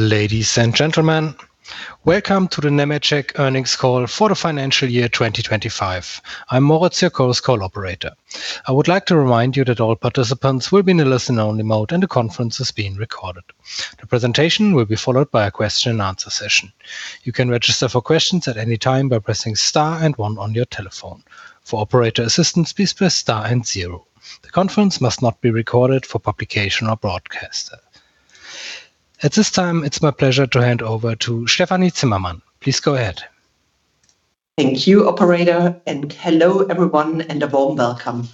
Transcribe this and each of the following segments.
Ladies and gentlemen, welcome to the Nemetschek earnings call for the financial year 2025. I'm Moritz, your call operator. I would like to remind you that all participants will be in a listen-only mode, and the conference is being recorded. The presentation will be followed by a question and answer session. You can register for questions at any time by pressing star and one on your telephone. For operator assistance, please press star and zero. The conference must not be recorded for publication or broadcast. At this time, it's my pleasure to hand over to Stefanie Zimmermann. Please go ahead. Thank you, operator, and hello, everyone, and a warm welcome.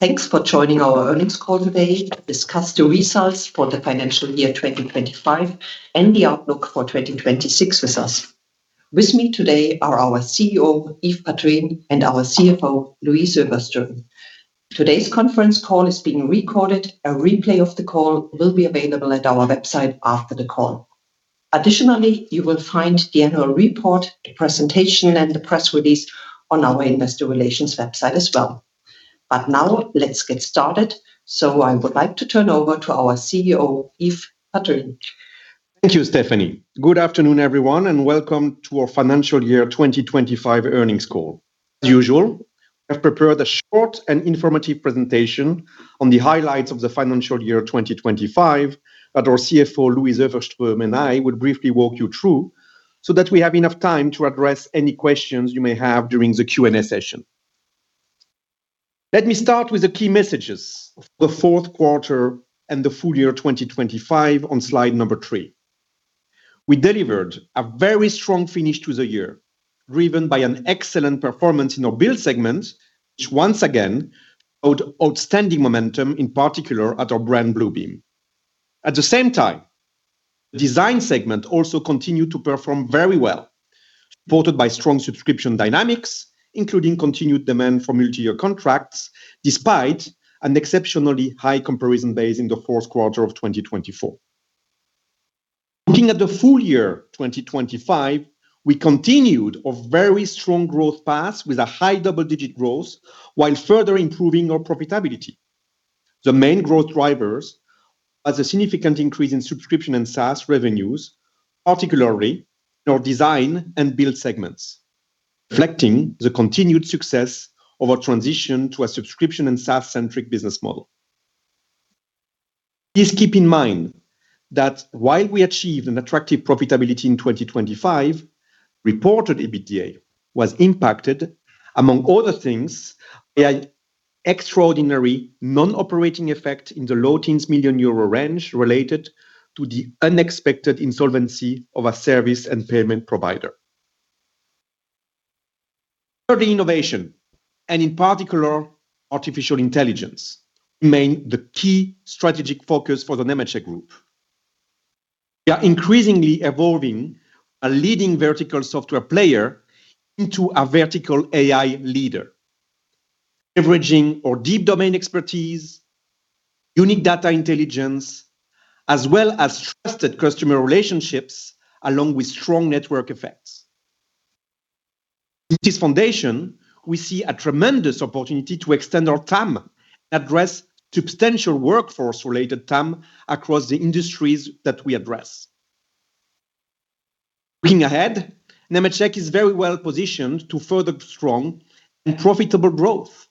Thanks for joining our earnings call today to discuss the results for the financial year 2025 and the outlook for 2026 with us. With me today are our CEO, Yves Padrines, and our CFO, Louise Öfverström. Today's conference call is being recorded. A replay of the call will be available at our website after the call. Additionally, you will find the annual report, the presentation, and the press release on our Investor Relations website as well. But now let's get started. I would like to turn over to our CEO, Yves Padrines. Thank you, Stefanie. Good afternoon, everyone, and welcome to our financial year 2025 earnings call. As usual, I've prepared a short and informative presentation on the highlights of the financial year 2025 that our CFO, Louise Öfverström, and I will briefly walk you through so that we have enough time to address any questions you may have during the Q&A session. Let me start with the key messages of the fourth quarter and the full year 2025 on slide number three. We delivered a very strong finish to the year, driven by an excellent performance in our Build segment, which once again showed outstanding momentum, in particular at our brand Bluebeam. At the same time, the Design segment also continued to perform very well, supported by strong subscription dynamics, including continued demand for multi-year contracts, despite an exceptionally high comparison base in the fourth quarter of 2024. Looking at the full year 2025, we continued a very strong growth path with a high double-digit growth while further improving our profitability. The main growth drivers was a significant increase in subscription and SaaS revenues, particularly in our Design and Build segments, reflecting the continued success of our transition to a subscription and SaaS-centric business model. Please keep in mind that while we achieved an attractive profitability in 2025, reported EBITDA was impacted, among other things, by extraordinary non-operating effect in the low teens million euro range related to the unexpected insolvency of a service and payment provider. Further innovation, and in particular artificial intelligence, remain the key strategic focus for the Nemetschek Group. We are increasingly evolving a leading vertical software player into a vertical AI leader, leveraging our deep domain expertise, unique data intelligence, as well as trusted customer relationships along with strong network effects. In this foundation, we see a tremendous opportunity to extend our TAM, address substantial workforce-related TAM across the industries that we address. Looking ahead, Nemetschek is very well positioned to foster strong and profitable growth.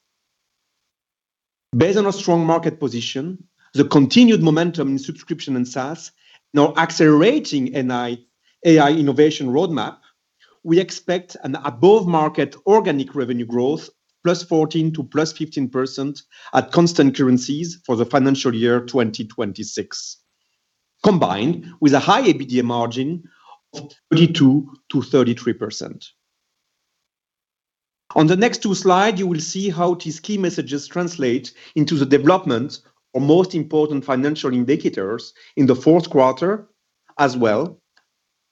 Based on our strong market position, the continued momentum in subscription and SaaS, and our accelerating AI innovation roadmap, we expect an above-market organic revenue growth +14% to +15% at constant currencies for the financial year 2026, combined with a high EBITDA margin of 32%-33%. On the next two slides, you will see how these key messages translate into the development of most important financial indicators in the fourth quarter as well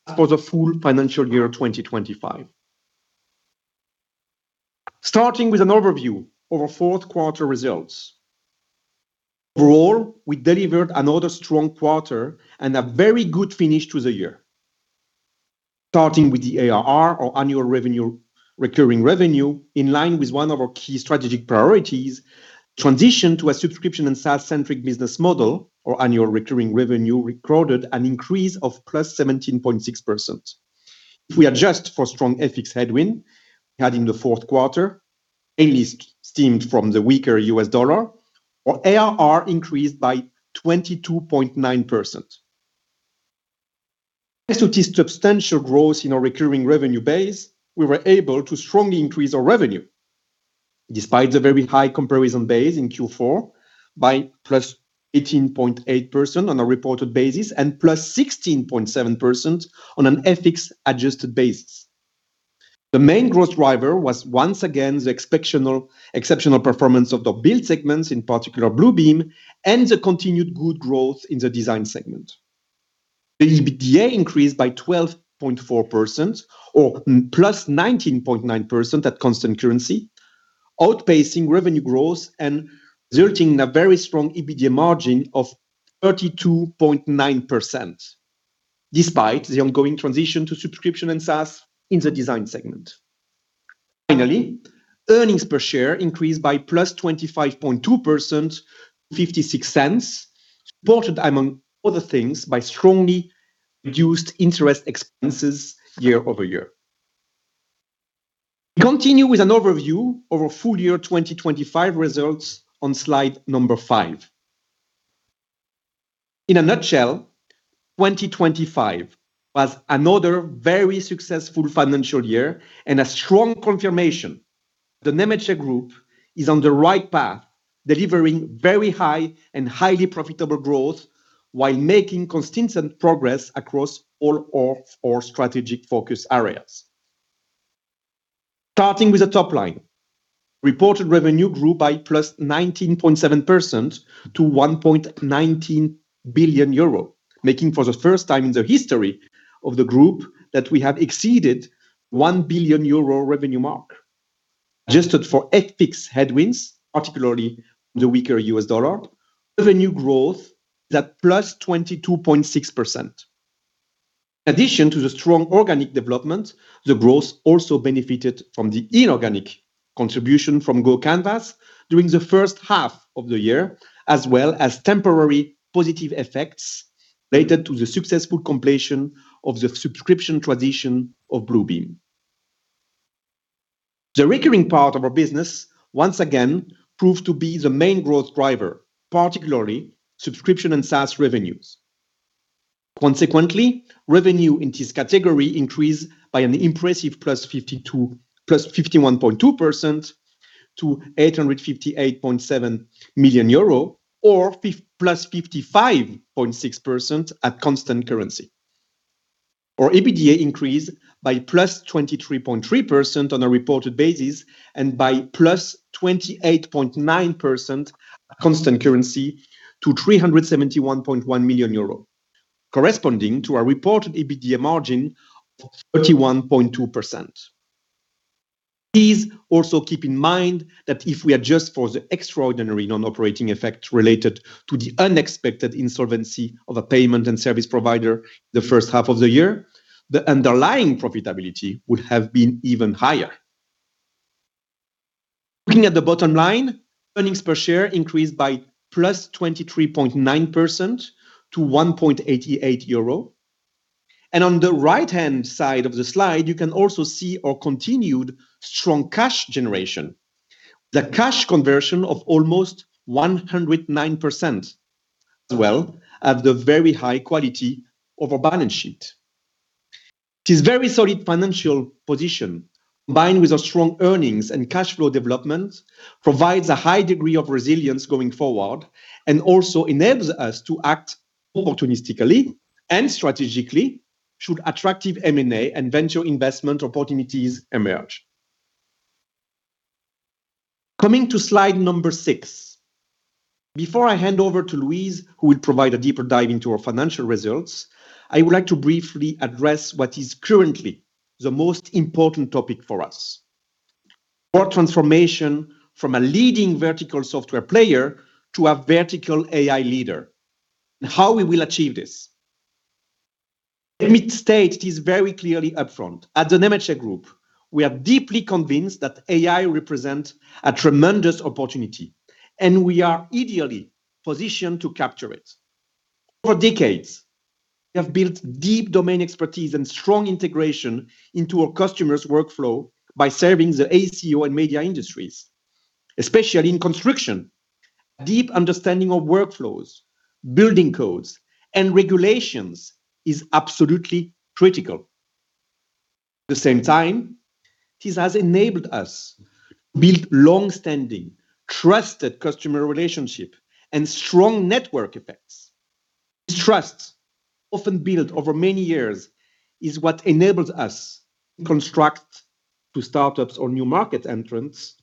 as for the full financial year 2025. Starting with an overview of our fourth quarter results. Overall, we delivered another strong quarter and a very good finish to the year. Starting with the ARR or annual recurring revenue, in line with one of our key strategic priorities, transition to a subscription and SaaS-centric business model, our annual recurring revenue recorded an increase of +17.6%. If we adjust for strong FX headwind we had in the fourth quarter, mainly stemmed from the weaker U.S. dollar, our ARR increased by 22.9%. Thanks to this substantial growth in our recurring revenue base, we were able to strongly increase our revenue despite the very high comparison base in Q4 by +18.8% on a reported basis and +16.7% on an FX adjusted basis. The main growth driver was once again the exceptional performance of the Build segments, in particular Bluebeam, and the continued good growth in the Design segment. The EBITDA increased by 12.4% or +19.9% at constant currency, outpacing revenue growth and resulting in a very strong EBITDA margin of 32.9% despite the ongoing transition to subscription and SaaS in the Design segment. Finally, earnings per share increased by +25.2%, €0.56, supported among other things, by strongly reduced interest expenses year-over-year. We continue with an overview of our full year 2025 results on slide number five. In a nutshell, 2025 was another very successful financial year and a strong confirmation. The Nemetschek Group is on the right path, delivering very high and highly profitable growth while making consistent progress across all of our strategic focus areas. Starting with the top line. Reported revenue grew by +19.7% to 1.19 billion euro, making for the first time in the history of the group that we have exceeded 1 billion euro revenue mark. Adjusted for FX headwinds, particularly the weaker U.S. dollar, revenue growth is at +22.6%. Addition to the strong organic development, the growth also benefited from the inorganic contribution from GoCanvas during the first half of the year, as well as temporary positive effects related to the successful completion of the subscription transition of Bluebeam. The recurring part of our business once again proved to be the main growth driver, particularly subscription and SaaS revenues. Consequently, revenue in this category increased by an impressive +51.2% to EUR 858.7 million or +55.6% at constant currency. Our EBITDA increased by +23.3% on a reported basis and by +28.9% constant currency to 371.1 million euro, corresponding to our reported EBITDA margin of 31.2%. Please also keep in mind that if we adjust for the extraordinary non-operating effect related to the unexpected insolvency of a payment and service provider the first half of the year, the underlying profitability would have been even higher. Looking at the bottom line, earnings per share increased by +23.9% to 1.88 euro. On the right-hand side of the slide, you can also see our continued strong cash generation. The cash conversion of almost 109%, as well as the very high quality of our balance sheet. This very solid financial position, combined with our strong earnings and cash flow development, provides a high degree of resilience going forward and also enables us to act opportunistically and strategically should attractive M&A and venture investment opportunities emerge. Coming to slide number six. Before I hand over to Louise Öfverström, who will provide a deeper dive into our financial results, I would like to briefly address what is currently the most important topic for us. Our transformation from a leading vertical software player to a vertical AI leader and how we will achieve this. Let me state this very clearly upfront. At the Nemetschek Group, we are deeply convinced that AI represent a tremendous opportunity, and we are ideally positioned to capture it. For decades, we have built deep domain expertise and strong integration into our customers' workflow by serving the AECO and Media industries. Especially in construction, deep understanding of workflows, building codes, and regulations is absolutely critical. At the same time, this has enabled us to build long-standing, trusted customer relationship and strong network effects. This trust, often built over many years, is what enables us, in contrast to startups or new market entrants,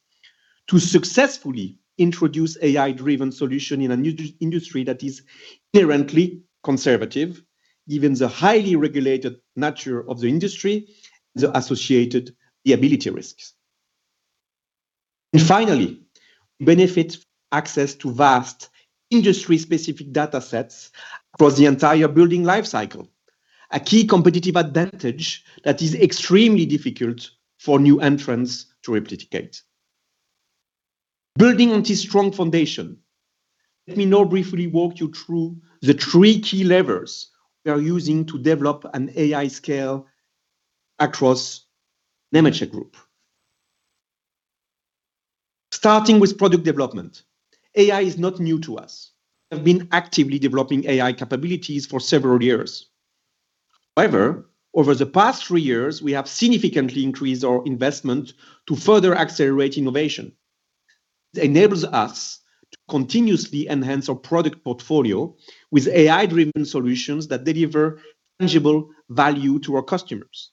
to successfully introduce AI-driven solutions in a new industry that is inherently conservative, given the highly regulated nature of the industry, the associated liability risks. Finally, the benefit of access to vast industry-specific datasets across the entire building life cycle, a key competitive advantage that is extremely difficult for new entrants to replicate. Building on this strong foundation, let me now briefly walk you through the three key levers we are using to develop AI at scale across Nemetschek Group. Starting with product development. AI is not new to us. We have been actively developing AI capabilities for several years. However, over the past three years, we have significantly increased our investment to further accelerate innovation. This enables us to continuously enhance our product portfolio with AI-driven solutions that deliver tangible value to our customers.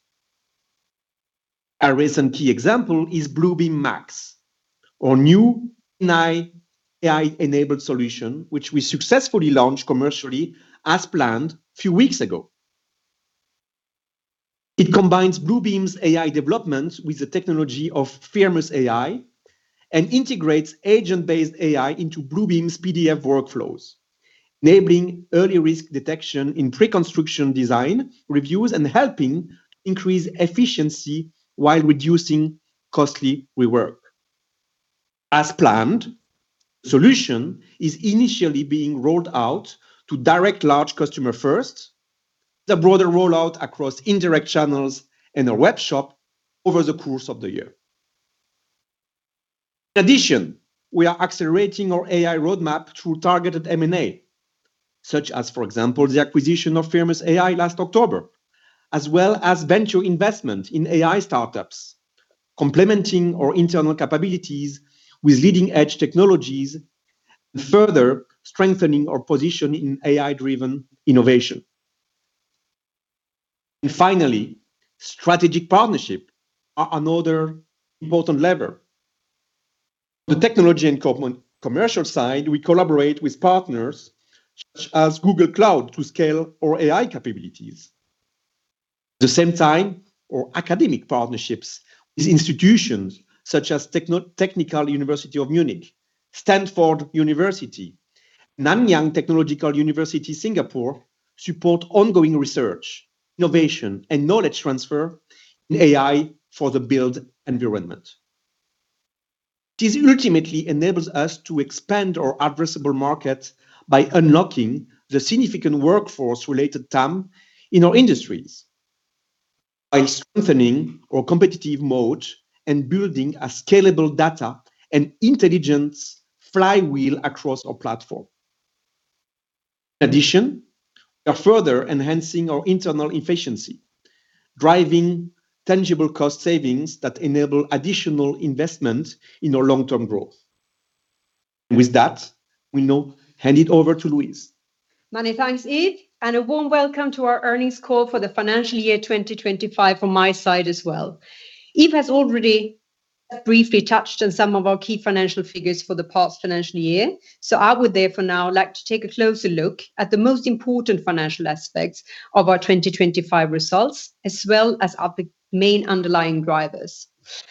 Our recent key example is Bluebeam Max, our new AI-enabled solution, which we successfully launched commercially as planned a few weeks ago. It combines Bluebeam's AI development with the technology of Firmus AI and integrates agent-based AI into Bluebeam's PDF workflows, enabling early risk detection in pre-construction Design reviews, and helping increase efficiency while reducing costly rework. As planned, the solution is initially being rolled out to direct large customers first, with the broader rollout across indirect channels in a webshop over the course of the year. In addition, we are accelerating our AI roadmap through targeted M&A, such as, for example, the acquisition of Firmus AI last October, as well as venture investment in AI startups, complementing our internal capabilities with leading-edge technologies, further strengthening our position in AI-driven innovation. Finally, strategic partnerships are another important lever. The technology and commercial side, we collaborate with partners such as Google Cloud to scale our AI capabilities. At the same time, our academic partnerships with institutions such as Technical University of Munich, Stanford University, Nanyang Technological University, Singapore support ongoing research, innovation, and knowledge transfer in AI for the built environment. This ultimately enables us to expand our addressable market by unlocking the significant workforce-related TAM in our industries by strengthening our competitive moat and building a scalable data and intelligence flywheel across our platform. In addition, we are further enhancing our internal efficiency, driving tangible cost savings that enable additional investment in our long-term growth. With that, we now hand it over to Louise. Many thanks, Yves, and a warm welcome to our earnings call for the financial year 2025 from my side as well. Yves has already briefly touched on some of our key financial figures for the past financial year, so I would therefore now like to take a closer look at the most important financial aspects of our 2025 results, as well as at the main underlying drivers.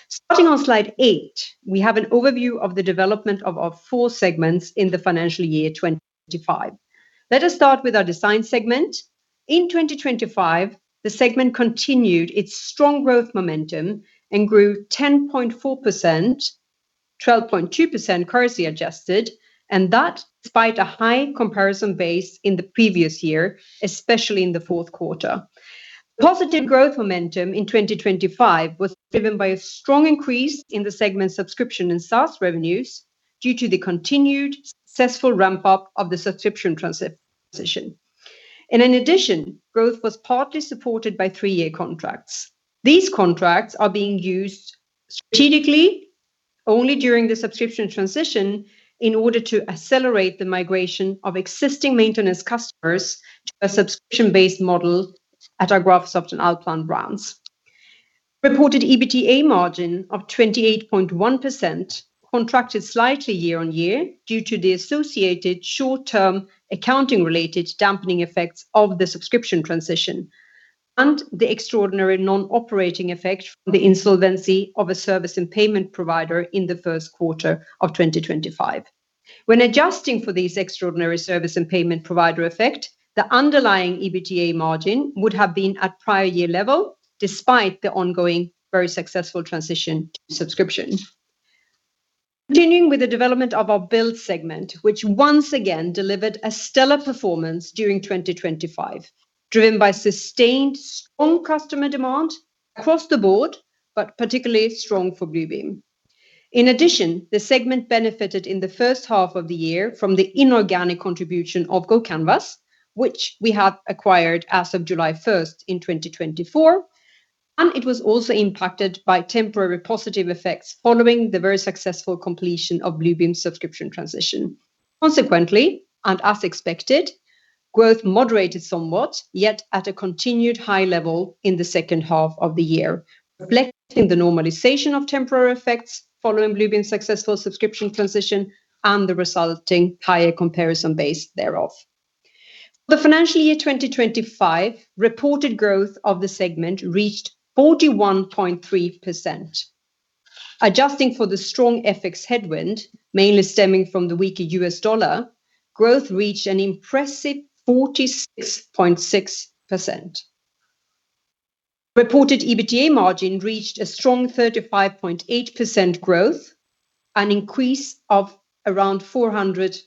Starting on slide eight, we have an overview of the development of our four segments in the financial year 2025. Let us start with our Design segment. In 2025, the segment continued its strong growth momentum and grew 10.4%, 12.2% currency adjusted, and that despite a high comparison base in the previous year, especially in the fourth quarter. Positive growth momentum in 2025 was driven by a strong increase in the segment subscription and SaaS revenues due to the continued successful ramp-up of the subscription transition. In addition, growth was partly supported by three-year contracts. These contracts are being used strategically only during the subscription transition in order to accelerate the migration of existing maintenance customers to a subscription-based model at our Graphisoft and Allplan brands. Reported EBITDA margin of 28.1% contracted slightly year-on-year due to the associated short-term accounting related dampening effects of the subscription transition and the extraordinary non-operating effect from the insolvency of a service and payment provider in the first quarter of 2025. When adjusting for these extraordinary service and payment provider effect, the underlying EBITDA margin would have been at prior year level despite the ongoing very successful transition to subscription. Continuing with the development of our Build segment, which once again delivered a stellar performance during 2025, driven by sustained strong customer demand across the board, but particularly strong for Bluebeam. In addition, the segment benefited in the first half of the year from the inorganic contribution of GoCanvas, which we have acquired as of July 1st, 2024, and it was also impacted by temporary positive effects following the very successful completion of Bluebeam's subscription transition. Consequently, and as expected, growth moderated somewhat, yet at a continued high level in the second half of the year, reflecting the normalization of temporary effects following Bluebeam's successful subscription transition and the resulting higher comparison base thereof. For the financial year 2025, reported growth of the segment reached 41.3%. Adjusting for the strong FX headwind, mainly stemming from the weaker U.S. dollar, growth reached an impressive 46.6%. Reported EBITDA margin reached a strong 35.8% growth, an increase of around 400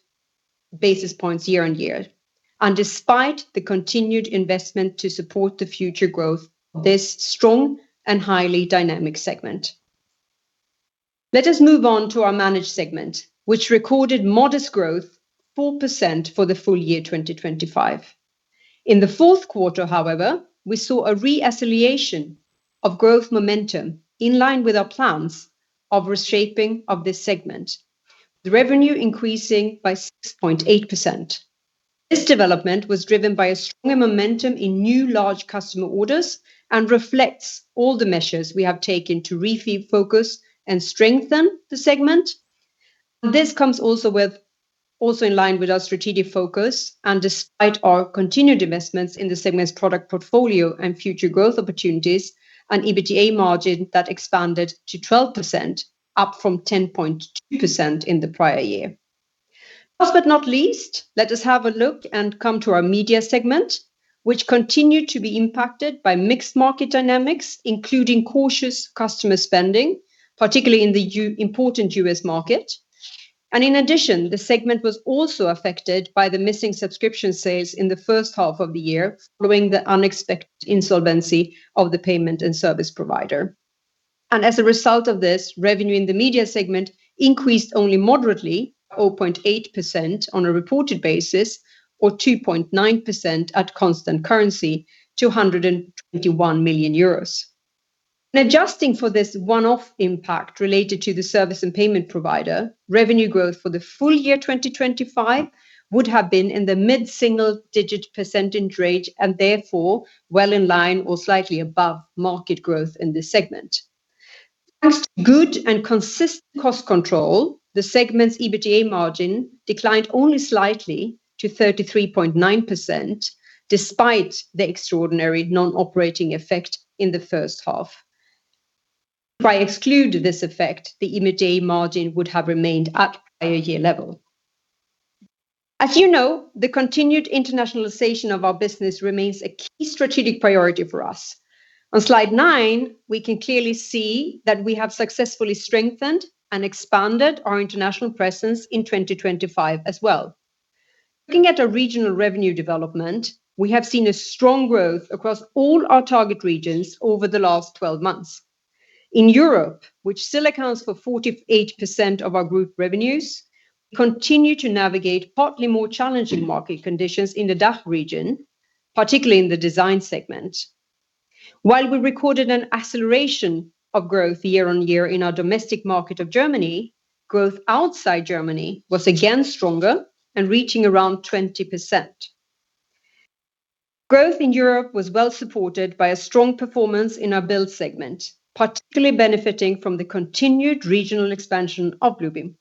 basis points year-on-year. Despite the continued investment to support the future growth of this strong and highly dynamic segment. Let us move on to our Manage segment, which recorded modest growth, 4% for the full year 2025. In the fourth quarter, however, we saw a reacceleration of growth momentum in line with our plans of reshaping of this segment, the revenue increasing by 6.8%. This development was driven by a stronger momentum in new large customer orders and reflects all the measures we have taken to refocus and strengthen the segment. This comes also in line with our strategic focus and despite our continued investments in the segment's product portfolio and future growth opportunities, an EBITDA margin that expanded to 12%, up from 10.2% in the prior year. Last but not least, let us have a look and come to our Media segment, which continued to be impacted by mixed market dynamics, including cautious customer spending, particularly in the important U.S. market. In addition, the segment was also affected by the missing subscription sales in the first half of the year following the unexpected insolvency of the payment and service provider. As a result of this, revenue in the Media segment increased only moderately, or 0.8% on a reported basis, or 2.9% at constant currency to 121 million euros. Now, adjusting for this one-off impact related to the service and payment provider, revenue growth for the full year 2025 would have been in the mid-single digit percentage rate and therefore well in line or slightly above market growth in this segment. Thanks to good and consistent cost control, the segment's EBITDA margin declined only slightly to 33.9% despite the extraordinary non-operating effect in the first half. If I exclude this effect, the EBITDA margin would have remained at prior year level. As you know, the continued internationalization of our business remains a key strategic priority for us. On slide nine, we can clearly see that we have successfully strengthened and expanded our international presence in 2025 as well. Looking at a regional revenue development, we have seen a strong growth across all our target regions over the last 12 months. In Europe, which still accounts for 48% of our group revenues, we continue to navigate partly more challenging market conditions in the DACH region, particularly in the Design segment. While we recorded an acceleration of growth year on year in our domestic market of Germany, growth outside Germany was again stronger and reaching around 20%. Growth in Europe was well supported by a strong performance in our Build segment, particularly benefiting from the continued regional expansion of Bluebeam.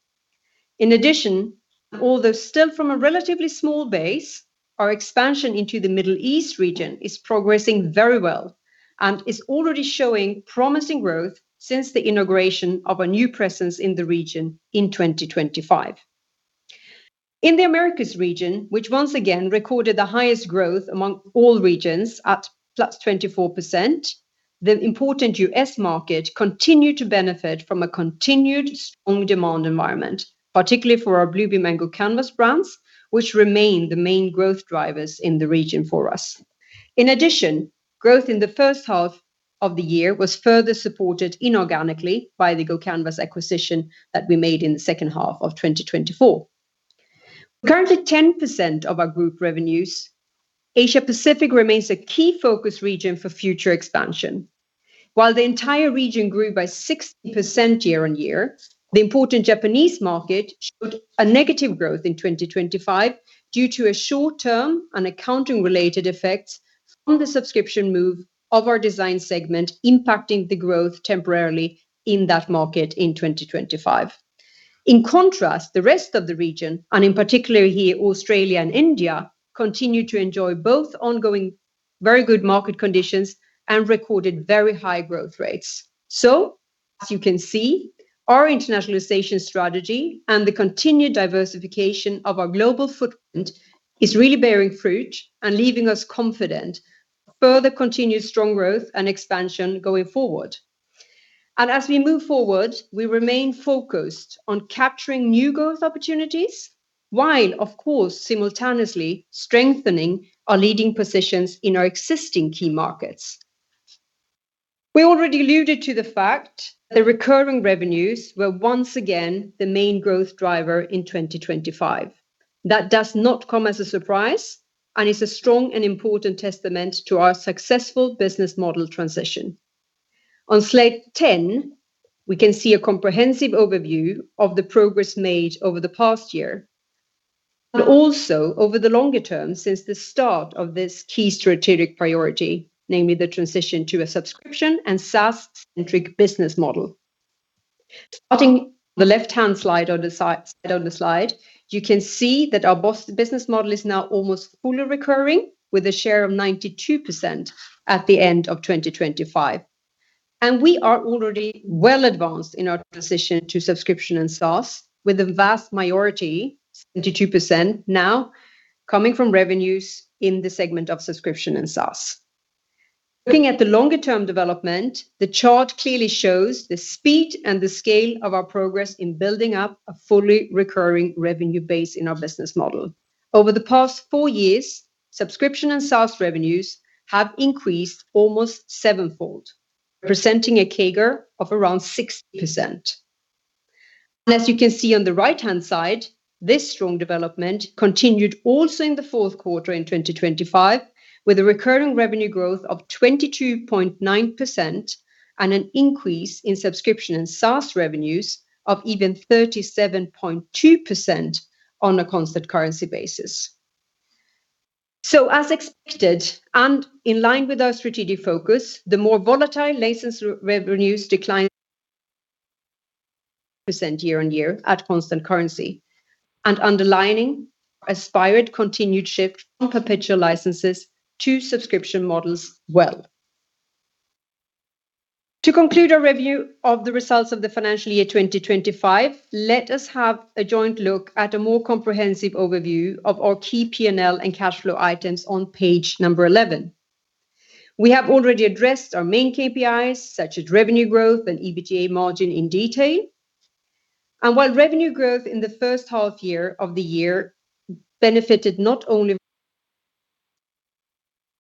In addition, although still from a relatively small base, our expansion into the Middle East region is progressing very well and is already showing promising growth since the integration of a new presence in the region in 2025. In the Americas region, which once again recorded the highest growth among all regions at +24%, the important U.S. market continued to benefit from a continued strong demand environment, particularly for our Bluebeam and GoCanvas brands, which remain the main growth drivers in the region for us. In addition, growth in the first half of the year was further supported inorganically by the GoCanvas acquisition that we made in the second half of 2024. Currently, 10% of our group revenues, Asia Pacific remains a key focus region for future expansion. While the entire region grew by 60% year-on-year, the important Japanese market showed a negative growth in 2025 due to a short term and accounting related effects from the subscription move of our Design segment impacting the growth temporarily in that market in 2025. In contrast, the rest of the region, and in particular here, Australia and India, continued to enjoy both ongoing very good market conditions and recorded very high growth rates. As you can see, our internationalization strategy and the continued diversification of our global footprint is really bearing fruit and leaving us confident further continued strong growth and expansion going forward. As we move forward, we remain focused on capturing new growth opportunities while, of course, simultaneously strengthening our leading positions in our existing key markets. We already alluded to the fact that recurring revenues were once again the main growth driver in 2025. That does not come as a surprise and is a strong and important testament to our successful business model transition. On slide 10, we can see a comprehensive overview of the progress made over the past year, but also over the longer term since the start of this key strategic priority, namely the transition to a subscription and SaaS-centric business model. Starting on the left-hand side of the slide, you can see that our business model is now almost fully recurring with a share of 92% at the end of 2025. We are already well advanced in our transition to subscription and SaaS with the vast majority, 72%, now coming from revenues in the segment of subscription and SaaS. Looking at the longer-term development, the chart clearly shows the speed and the scale of our progress in building up a fully recurring revenue base in our business model. Over the past four years, subscription and SaaS revenues have increased almost sevenfold, presenting a CAGR of around 60%. As you can see on the right-hand side, this strong development continued also in the fourth quarter in 2025 with a recurring revenue growth of 22.9% and an increase in subscription and SaaS revenues of even 37.2% on a constant currency basis. As expected and in line with our strategic focus, the more volatile license revenues declined percent year-on-year at constant currency and underlining aspired continued shift from perpetual licenses to subscription models well. To conclude our review of the results of the financial year 2025, let us have a joint look at a more comprehensive overview of our key P&L and cash flow items on page number 11. We have already addressed our main KPIs, such as revenue growth and EBITDA margin in detail. While revenue growth in the first half year of the year benefited not only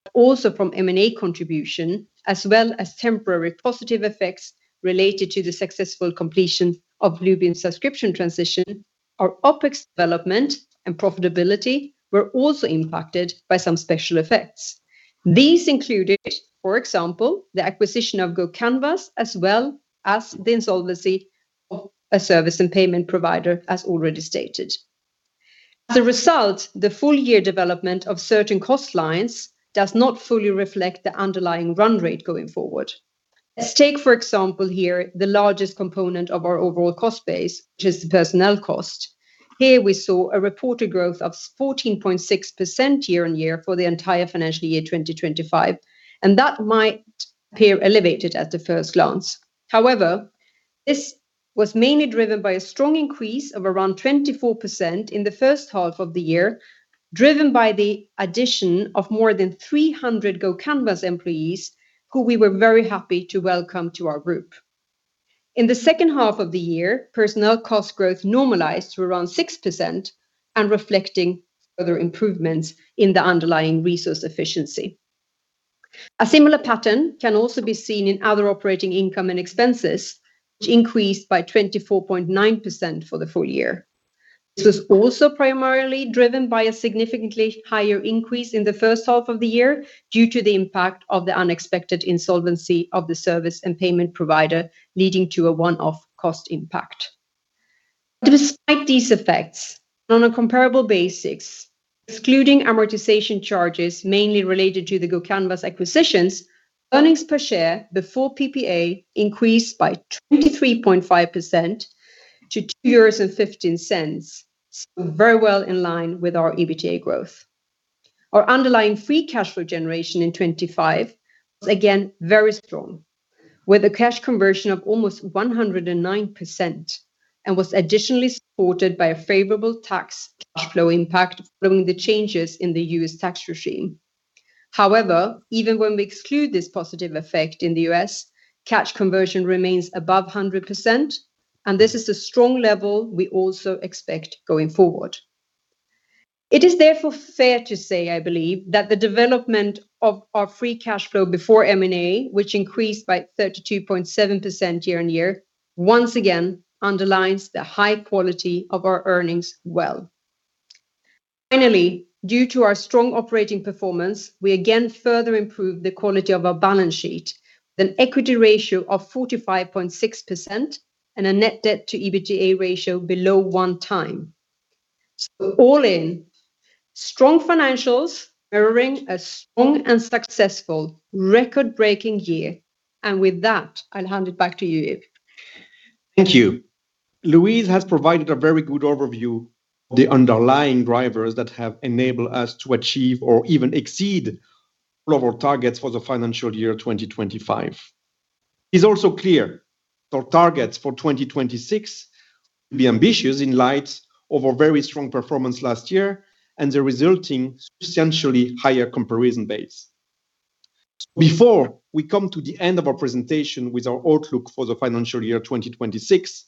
but also from M&A contribution, as well as temporary positive effects related to the successful completion of Bluebeam subscription transition, our OpEx development and profitability were also impacted by some special effects. These included, for example, the acquisition of GoCanvas as well as the insolvency of a service and payment provider, as already stated. As a result, the full year development of certain cost lines does not fully reflect the underlying run rate going forward. Let's take, for example, here, the largest component of our overall cost base, which is the personnel cost. Here we saw a reported growth of 14.6% year-on-year for the entire financial year 2025, and that might appear elevated at first glance. However, this was mainly driven by a strong increase of around 24% in the first half of the year, driven by the addition of more than 300 GoCanvas employees who we were very happy to welcome to our group. In the second half of the year, personnel cost growth normalized to around 6% and reflecting further improvements in the underlying resource efficiency. A similar pattern can also be seen in other operating income and expenses, which increased by 24.9% for the full year. This was also primarily driven by a significantly higher increase in the first half of the year due to the impact of the unexpected insolvency of the service and payment provider, leading to a one-off cost impact. Despite these effects, on a comparable basis, excluding amortization charges mainly related to the GoCanvas acquisitions, earnings per share before PPA increased by 23.5% to 2.15 euros, so very well in line with our EBITDA growth. Our underlying free cash flow generation in 2025 was again very strong, with a cash conversion of almost 109%, and was additionally supported by a favorable tax cash flow impact following the changes in the U.S. tax regime. However, even when we exclude this positive effect in the U.S., cash conversion remains above 100%, and this is a strong level we also expect going forward. It is therefore fair to say, I believe, that the development of our free cash flow before M&A, which increased by 32.7% year-on-year, once again underlines the high quality of our earnings well. Finally, due to our strong operating performance, we again further improved the quality of our balance sheet with an equity ratio of 45.6% and a net debt to EBITDA ratio below 1x. All in, strong financials mirroring a strong and successful record-breaking year. With that, I'll hand it back to you, Yves. Thank you. Louise has provided a very good overview of the underlying drivers that have enabled us to achieve or even exceed all our targets for the financial year 2025. It's also clear that our targets for 2026 will be ambitious in light of our very strong performance last year and the resulting substantially higher comparison base. Before we come to the end of our presentation with our outlook for the financial year 2026,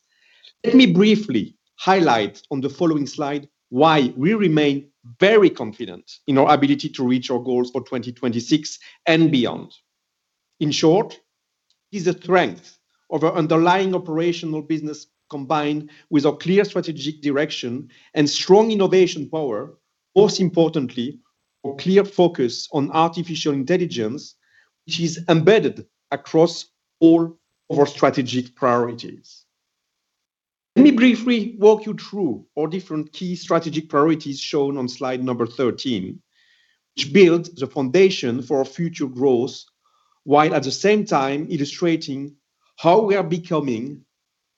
let me briefly highlight on the following slide why we remain very confident in our ability to reach our goals for 2026 and beyond. In short, it's the strength of our underlying operational business combined with our clear strategic direction and strong innovation power, most importantly, our clear focus on artificial intelligence, which is embedded across all of our strategic priorities. Let me briefly walk you through our different key strategic priorities shown on slide number 13, which build the foundation for our future growth, while at the same time illustrating how we are becoming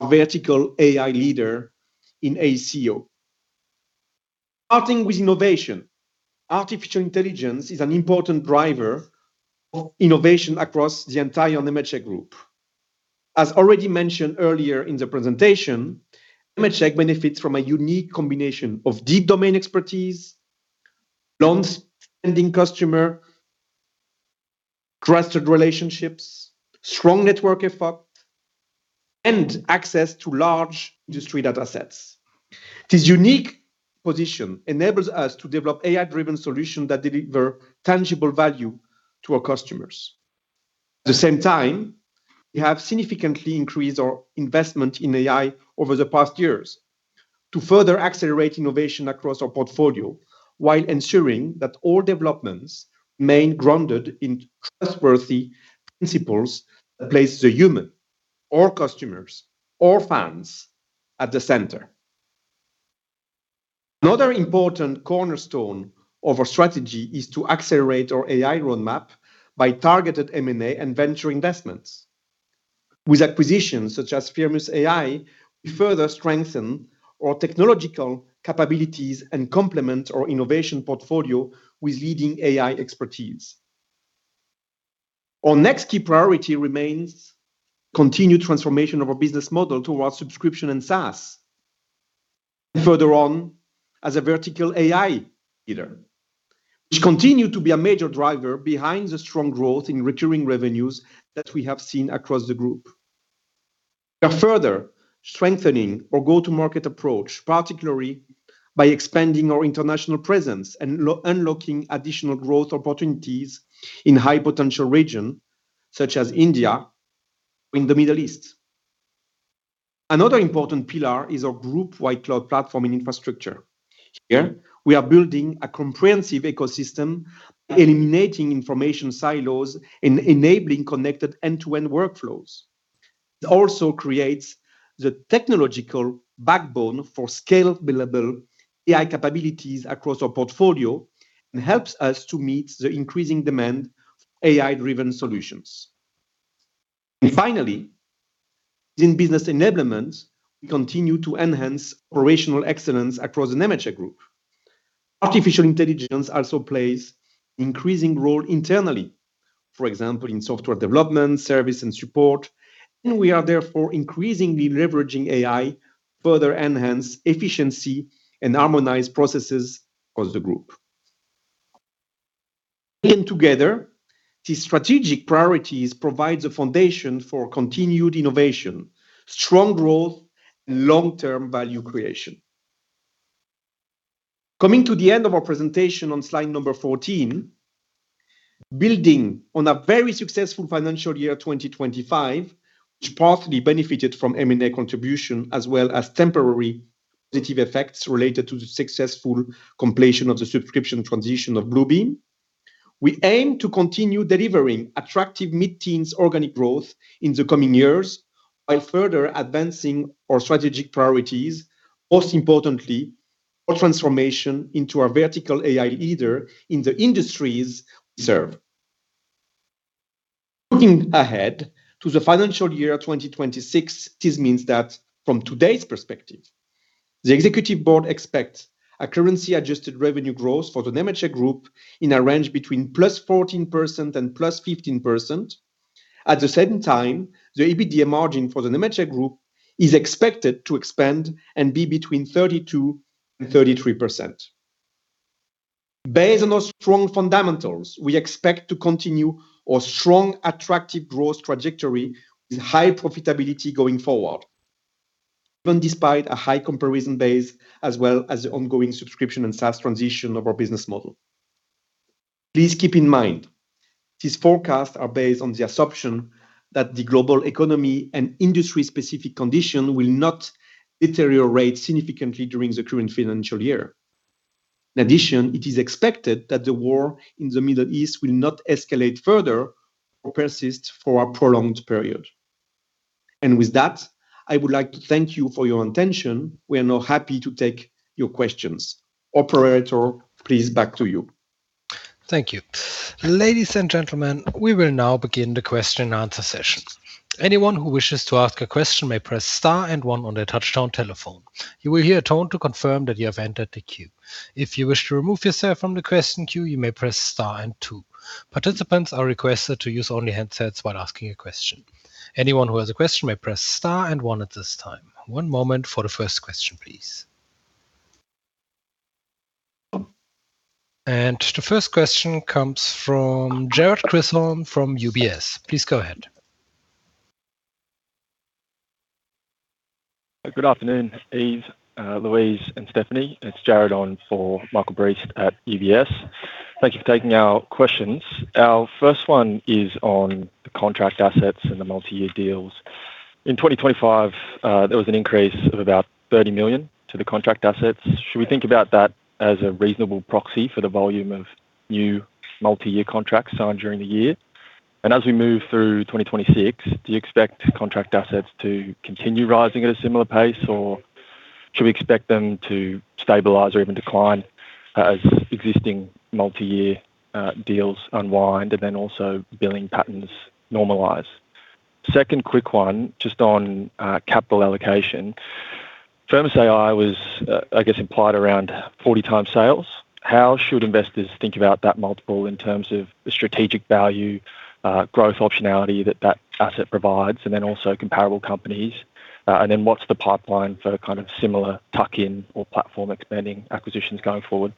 a vertical AI leader in AECO. Starting with innovation. Artificial intelligence is an important driver of innovation across the entire Nemetschek Group. As already mentioned earlier in the presentation, Nemetschek benefits from a unique combination of deep domain expertise, long-standing customer relationships, trusted relationships, strong network effect, and access to large industry data sets. This unique position enables us to develop AI-driven solutions that deliver tangible value to our customers. At the same time, we have significantly increased our investment in AI over the past years to further accelerate innovation across our portfolio, while ensuring that all developments remain grounded in trustworthy principles that places the human or customers or fans at the center. Another important cornerstone of our strategy is to accelerate our AI roadmap by targeted M&A and venture investments. With acquisitions such as Firmus AI, we further strengthen our technological capabilities and complement our innovation portfolio with leading AI expertise. Our next key priority remains continued transformation of our business model towards subscription and SaaS. Further on as a vertical AI leader, which continue to be a major driver behind the strong growth in recurring revenues that we have seen across the group. We are further strengthening our go-to-market approach, particularly by expanding our international presence and unlocking additional growth opportunities in high potential region such as India or in the Middle East. Another important pillar is our group-wide cloud platform and infrastructure. Here we are building a comprehensive ecosystem, eliminating information silos and enabling connected end-to-end workflows. It also creates the technological backbone for scalable AI capabilities across our portfolio and helps us to meet the increasing demand of AI-driven solutions. Finally, in business enablement, we continue to enhance operational excellence across the Nemetschek Group. Artificial intelligence also plays increasing role internally, for example, in software development, service and support, and we are therefore increasingly leveraging AI to further enhance efficiency and harmonize processes across the group. Together, these strategic priorities provide the foundation for continued innovation, strong growth, and long-term value creation. Coming to the end of our presentation on slide number 14, building on a very successful financial year 2025, which partly benefited from M&A contribution as well as temporary positive effects related to the successful completion of the subscription transition of Bluebeam, we aim to continue delivering attractive mid-teens organic growth in the coming years while further advancing our strategic priorities, most importantly our transformation into a vertical AI leader in the industries we serve. Looking ahead to the financial year 2026, this means that from today's perspective, the executive board expects a currency adjusted revenue growth for the Nemetschek Group in a range between +14% and +15%. At the same time, the EBITDA margin for the Nemetschek Group is expected to expand and be between 32% and 33%. Based on those strong fundamentals, we expect to continue our strong attractive growth trajectory with high profitability going forward, even despite a high comparison base as well as the ongoing subscription and SaaS transition of our business model. Please keep in mind, these forecasts are based on the assumption that the global economy and industry specific condition will not deteriorate significantly during the current financial year. In addition, it is expected that the war in the Middle East will not escalate further or persist for a prolonged period. With that, I would like to thank you for your attention. We are now happy to take your questions. Operator, please back to you. Thank you. Ladies and gentlemen, we will now begin the question answer session. Anyone who wishes to ask a question may press star and one on their touchtone telephone. You will hear a tone to confirm that you have entered the queue. If you wish to remove yourself from the question queue, you may press star and two. Participants are requested to use only handsets while asking a question. Anyone who has a question may press star and one at this time. One moment for the first question, please. The first question comes from Jared Hung from UBS. Please go ahead. Good afternoon, Yves, Louise and Stefanie. It's Jared on for Michael Briest at UBS. Thank you for taking our questions. Our first one is on the contract assets and the multi-year deals. In 2025, there was an increase of about 30 million to the contract assets. Should we think about that as a reasonable proxy for the volume of new multi-year contracts signed during the year? As we move through 2026, do you expect contract assets to continue rising at a similar pace, or should we expect them to stabilize or even decline as existing multi-year deals unwind and then also billing patterns normalize? Second quick one, just on capital allocation. Firmus AI was, I guess implied around 40x sales. How should investors think about that multiple in terms of the strategic value, growth optionality that that asset provides, and then also comparable companies? What's the pipeline for kind of similar tuck-in or platform expanding acquisitions going forward?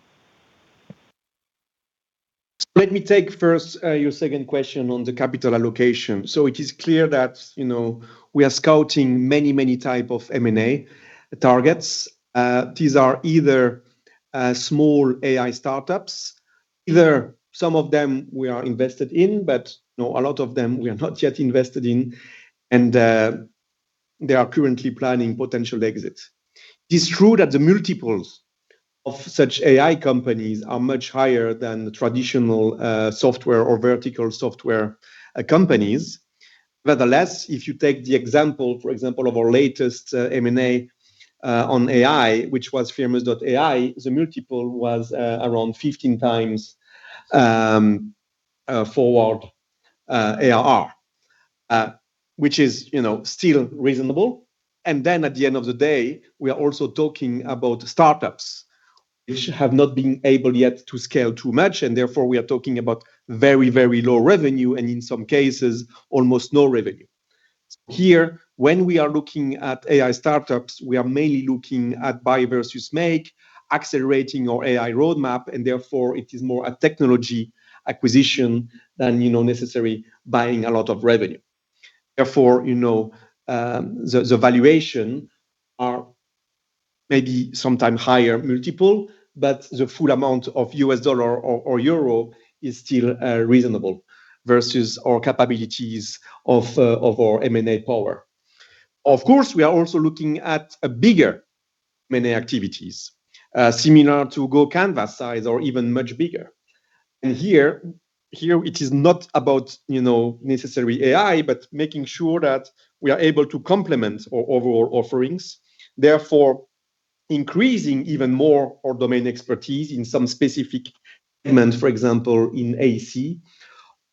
Let me take first your second question on the capital allocation. It is clear that, you know, we are scouting many types of M&A targets. These are either small AI startups, either some of them we are invested in, but no, a lot of them we are not yet invested in and they are currently planning potential exits. It is true that the multiples of such AI companies are much higher than the traditional software or vertical software companies. Nevertheless, if you take the example, for example, of our latest M&A on AI, which was Firmus AI, the multiple was around 15x forward ARR. which is, you know, still reasonable, and then at the end of the day, we are also talking about startups which have not been able yet to scale too much, and therefore we are talking about very, very low revenue, and in some cases, almost no revenue. Here, when we are looking at AI startups, we are mainly looking at buy versus make, accelerating our AI roadmap, and therefore it is more a technology acquisition than, you know, necessarily buying a lot of revenue. Therefore, you know, the valuation are maybe sometimes higher multiple, but the full amount of U.S. dollar or euro is still reasonable versus our capabilities of our M&A power. Of course, we are also looking at a bigger M&A activities, similar to GoCanvas size or even much bigger. Here it is not about, you know, necessarily AI, but making sure that we are able to complement our overall offerings, therefore increasing even more our domain expertise in some specific segments, for example, in AEC.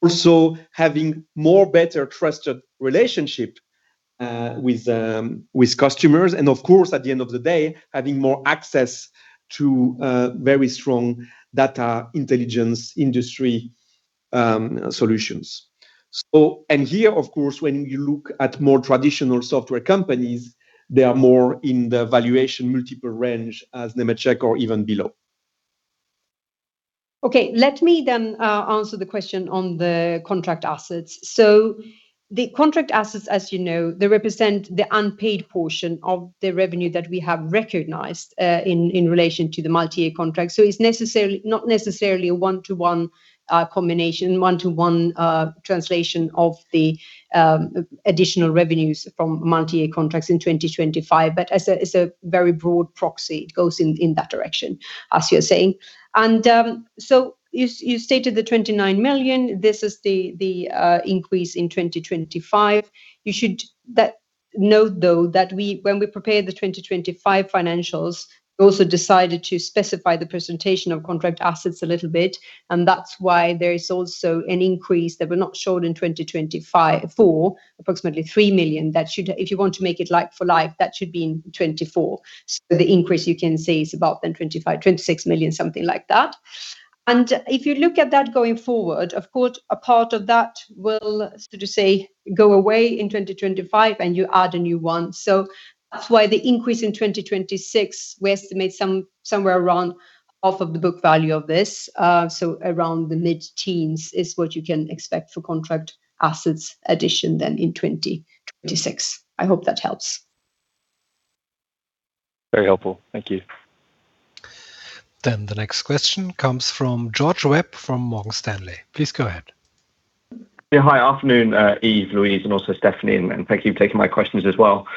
Also, having more better trusted relationship with customers, and of course, at the end of the day, having more access to very strong data intelligence industry solutions. Here, of course, when you look at more traditional software companies, they are more in the valuation multiple range as Nemetschek or even below. Okay. Let me then answer the question on the contract assets. The contract assets, as you know, they represent the unpaid portion of the revenue that we have recognized in relation to the multi-year contract. It's not necessarily a one-to-one combination, one-to-one translation of the additional revenues from multi-year contracts in 2025, but as a very broad proxy, it goes in that direction, as you're saying. You stated the 29 million. This is the increase in 2025. You should note, though, that we, when we prepared the 2025 financials, we also decided to specify the presentation of contract assets a little bit, and that's why there is also an increase that was not shown in 2024, approximately 3 million that if you want to make it like for like, that should be in 2024. The increase you can see is about 25 million, 26 million, something like that. If you look at that going forward, of course, a part of that will, so to say, go away in 2025, and you add a new one. That's why the increase in 2026, we estimate somewhere around half of the book value of this. So around the mid-teens is what you can expect for contract assets addition then in 2026. I hope that helps. Very helpful. Thank you. The next question comes from George Webb from Morgan Stanley. Please go ahead. Yeah. Hi. Afternoon, Yves, Louise, and also Stefanie, and thank you for taking my questions as well.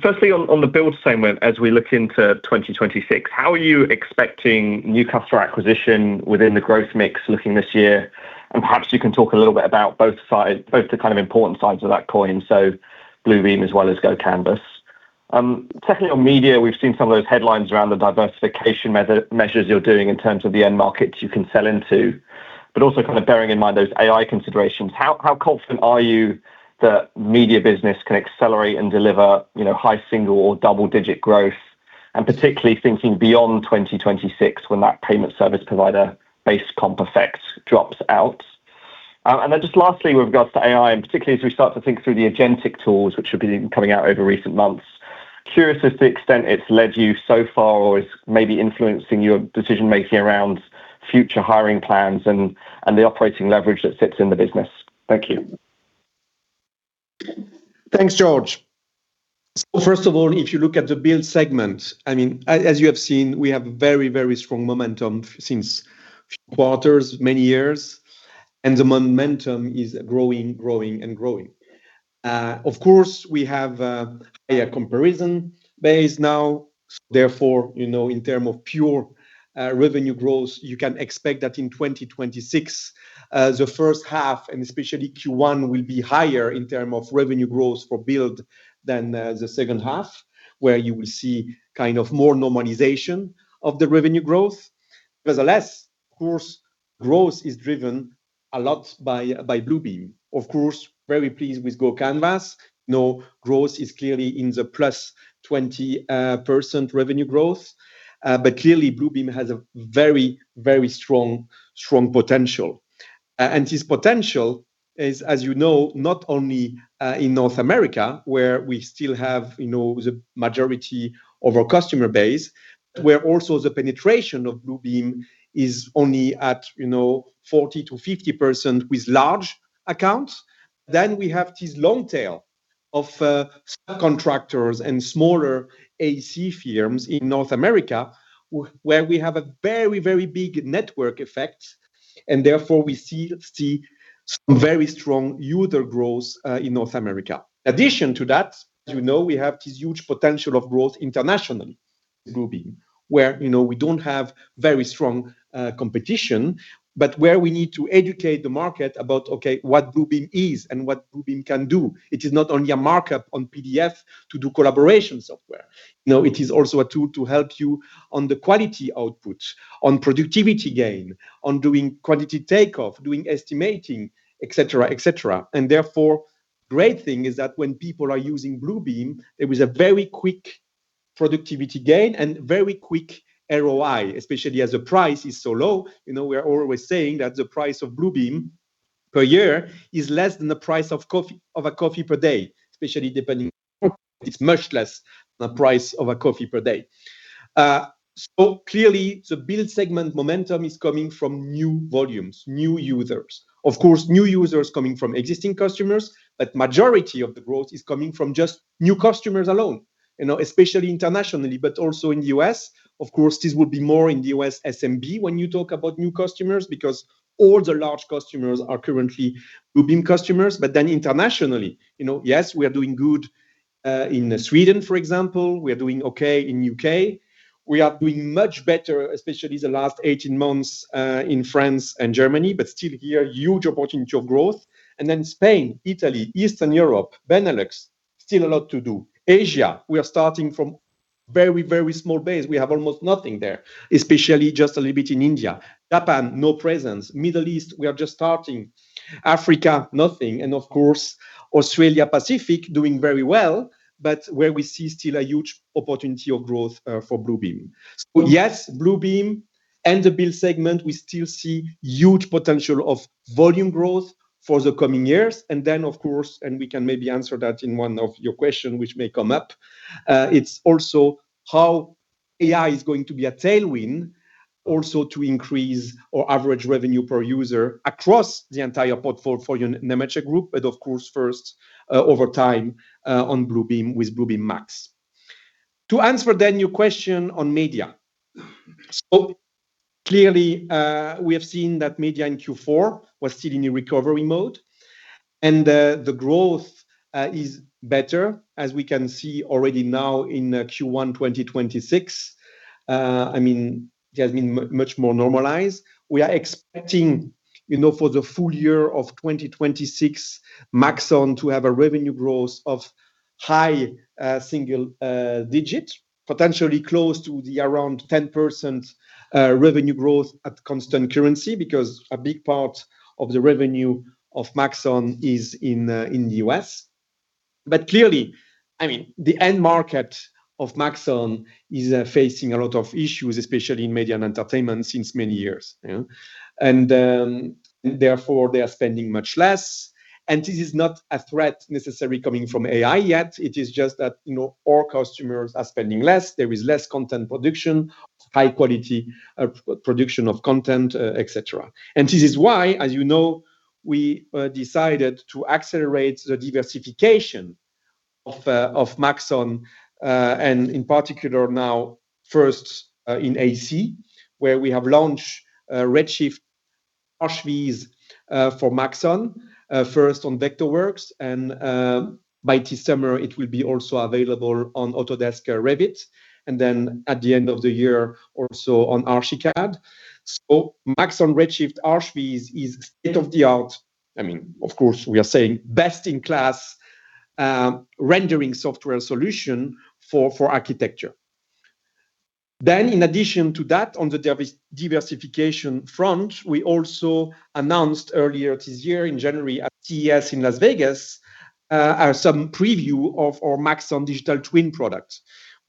Firstly, on the Build segment, as we look into 2026, how are you expecting new customer acquisition within the growth mix looking this year? Perhaps you can talk a little bit about both sides, both the kind of important sides of that coin, so Bluebeam as well as GoCanvas. Secondly, on Media, we've seen some of those headlines around the diversification measures you're doing in terms of the end markets you can sell into, but also kind of bearing in mind those AI considerations. How confident are you that Media business can accelerate and deliver, you know, high single- or double-digit growth, and particularly thinking beyond 2026 when that payment service provider base comp effect drops out? Just lastly with regards to AI, and particularly as we start to think through the agentic tools which have been coming out over recent months, curious as to the extent it's led you so far or is maybe influencing your decision-making around future hiring plans and the operating leverage that sits in the business. Thank you. Thanks, George. First of all, if you look at the Build segment, I mean, as you have seen, we have very strong momentum over many quarters for many years, and the momentum is growing. Of course, we have a comparison base now, so therefore, you know, in terms of pure revenue growth, you can expect that in 2026, the first half and especially Q1 will be higher in terms of revenue growth for Build than the second half, where you will see kind of more normalization of the revenue growth. Nevertheless, of course, growth is driven a lot by Bluebeam. Of course, very pleased with GoCanvas. You know, growth is clearly in the +20% revenue growth. Clearly Bluebeam has a very strong potential. This potential is, as you know, not only in North America, where we still have, you know, the majority of our customer base, where also the penetration of Bluebeam is only at, you know, 40%-50% with large accounts. Then we have this long tail of subcontractors and smaller AEC firms in North America where we have a very, very big network effect. Therefore, we see some very strong user growth in North America. In addition to that, as you know, we have this huge potential of growth internationally with Bluebeam, where, you know, we don't have very strong competition, but where we need to educate the market about, okay, what Bluebeam is and what Bluebeam can do. It is not only a markup on PDF to do collaboration software, you know, it is also a tool to help you on the quality output, on productivity gain, on doing quantity takeoff, doing estimating, et cetera, et cetera. Therefore, great thing is that when people are using Bluebeam, there is a very quick productivity gain and very quick ROI, especially as the price is so low. You know, we are always saying that the price of Bluebeam per year is less than the price of a coffee per day, especially depending, it's much less than the price of a coffee per day. So clearly the Build segment momentum is coming from new volumes, new users. Of course, new users coming from existing customers, but majority of the growth is coming from just new customers alone, you know, especially internationally, but also in the U.S. Of course, this will be more in the U.S. SMB when you talk about new customers, because all the large customers are currently Bluebeam customers. Internationally, you know, yes, we are doing good in Sweden, for example. We are doing okay in U.K. We are doing much better, especially the last 18 months, in France and Germany, but still here, huge opportunity of growth. Spain, Italy, Eastern Europe, Benelux, still a lot to do. Asia, we are starting from very, very small base. We have almost nothing there, especially just a little bit in India. Japan, no presence. Middle East, we are just starting. Africa, nothing. Australia Pacific doing very well, but where we see still a huge opportunity of growth for Bluebeam. Yes, Bluebeam and the Build segment, we still see huge potential of volume growth for the coming years. Of course, and we can maybe answer that in one of your question which may come up, it's also how AI is going to be a tailwind also to increase our average revenue per user across the entire portfolio Nemetschek Group, but of course first, over time, on Bluebeam with Bluebeam Max. To answer then your question on Media. Clearly, we have seen that Media in Q4 was still in a recovery mode, and the growth is better, as we can see already now in Q1 2026. I mean, it has been much more normalized. We are expecting, you know, for the full year of 2026, Maxon to have a revenue growth of high single digit, potentially close to around 10% revenue growth at constant currency, because a big part of the revenue of Maxon is in the US. Clearly, I mean, the end market of Maxon is facing a lot of issues, especially in Media and entertainment since many years, yeah? Therefore they are spending much less. This is not a threat necessarily coming from AI yet. It is just that, you know, our customers are spending less. There is less content production, high quality production of content, et cetera. This is why, as you know, we decided to accelerate the diversification of Maxon, and in particular now first in AEC, where we have launched Redshift for Archviz for Maxon, first on Vectorworks and by this summer it will be also available on Autodesk Revit, and then at the end of the year or so on Archicad. Maxon Redshift for Archviz is state-of-the-art, I mean, of course we are saying best in class rendering software solution for architecture. In addition to that, on the diversification front, we also announced earlier this year in January at CES in Las Vegas, some preview of our Maxon Digital Twin product,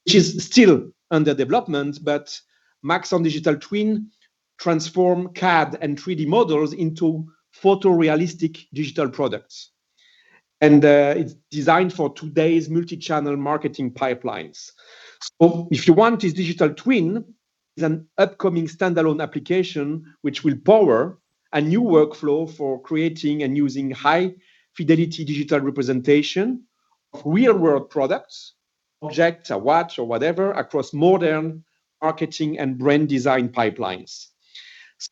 which is still under development. Maxon Digital Twin transform CAD and 3D models into photorealistic digital products. It's Designed for today's multichannel marketing pipelines. This Maxon Digital Twin is an upcoming standalone application which will power a new workflow for creating and using high-fidelity digital representation of real-world products, objects, a watch or whatever, across modern marketing and brand design pipelines.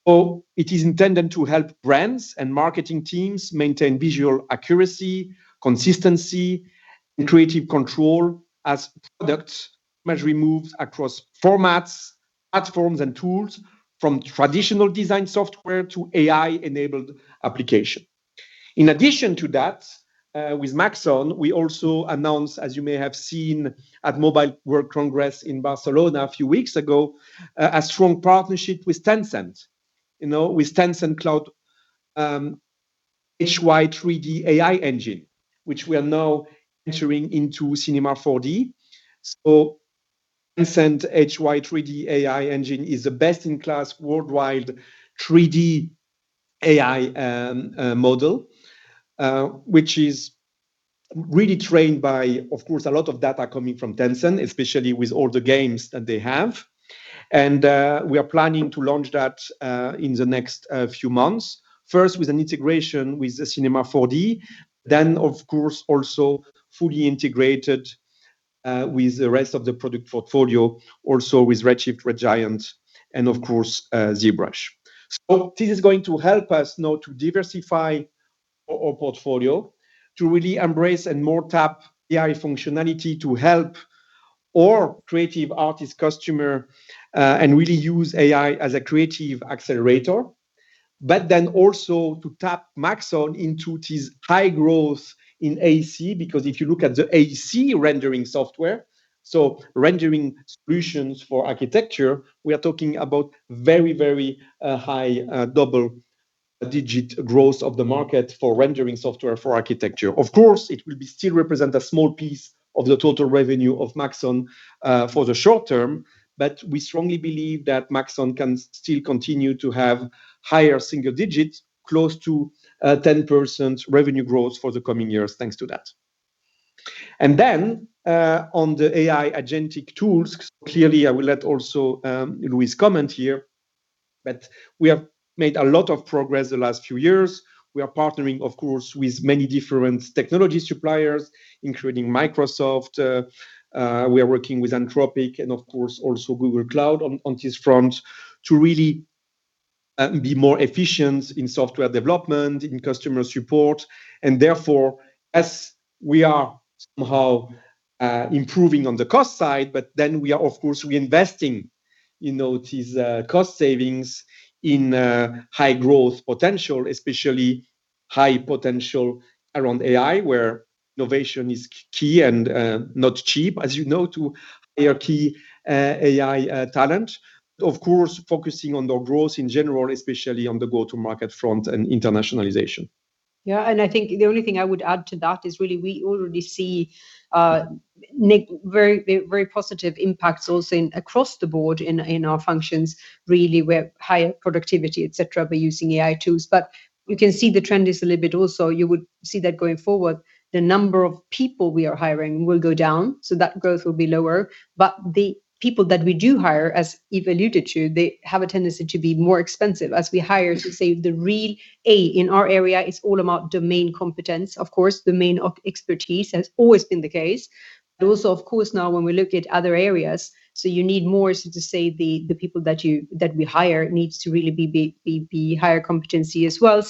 It is intended to help brands and marketing teams maintain visual accuracy, consistency, and creative control as product imagery moves across formats, platforms, and tools from traditional design software to AI-enabled application. In addition to that, with Maxon, we also announced, as you may have seen at Mobile World Congress in Barcelona a few weeks ago, a strong partnership with Tencent, you know, with Tencent Cloud Hunyuan 3D AI engine, which we are now integrating into Cinema 4D. Tencent Hunyuan 3D AI engine is the best in class worldwide 3D AI model, which is really trained by, of course, a lot of data coming from Tencent, especially with all the games that they have. We are planning to launch that in the next few months, first with an integration with the Cinema 4D, then of course also fully integrated with the rest of the product portfolio, also with Redshift, Red Giant and of course ZBrush. This is going to help us now to diversify our portfolio to really embrace and more tap AI functionality to help our creative artist customer and really use AI as a creative accelerator. Also to tap Maxon into this high growth in AEC. Because if you look at the AEC rendering software, so rendering solutions for architecture, we are talking about very high double-digit growth of the market for rendering software for architecture. Of course, it will still represent a small piece of the total revenue of Maxon for the short term, but we strongly believe that Maxon can still continue to have higher single digits close to 10% revenue growth for the coming years thanks to that. On the AI agentic tools, clearly I will let also Louise comment here, but we have made a lot of progress the last few years. We are partnering, of course, with many different technology suppliers, including Microsoft. We are working with Anthropic and of course also Google Cloud on this front to really be more efficient in software development, in customer support and therefore, as we are somehow improving on the cost side, but then we are of course reinvesting, you know, these cost savings in high growth potential. Especially high potential around AI, where innovation is key and not cheap, as you know to hire key AI talent. Of course, focusing on the growth in general, especially on the go-to-market front and internationalization. Yeah, I think the only thing I would add to that is really we already see very positive impacts also across the board in our functions really where higher productivity, et cetera, by using AI tools. You can see the trend is a little bit also you would see that going forward, the number of people we are hiring will go down, so that growth will be lower. The people that we do hire, as Yves alluded to, they have a tendency to be more expensive as we hire. That's the real AI in our area is all about domain competence, of course, domain of expertise has always been the case. Also of course now when we look at other areas, you need more so to say the people that we hire needs to really be higher competency as well.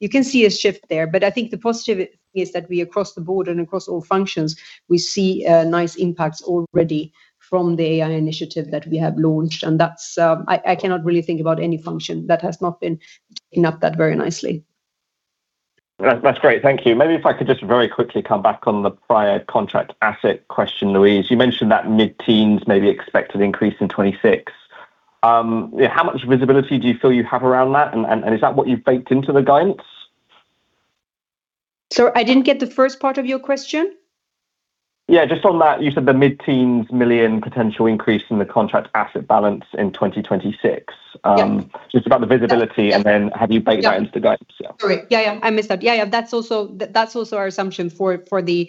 You can see a shift there. I think the positive is that we across the board and across all functions, we see nice impacts already from the AI initiative that we have launched. That's I cannot really think about any function that has not been taken up that very nicely. That's great. Thank you. Maybe if I could just very quickly come back on the prior contract asset question, Louise, you mentioned that mid-teens maybe expected increase in 2026. How much visibility do you feel you have around that and is that what you've baked into the guidance? Sorry, I didn't get the first part of your question. Yeah, just on that, you said the mid-teens million potential increase in the contract asset balance in 2026. Yeah. Just about the visibility and then have you baked that into guidance? Yeah. Sorry. Yeah, I missed that. Yeah. That's also our assumption for the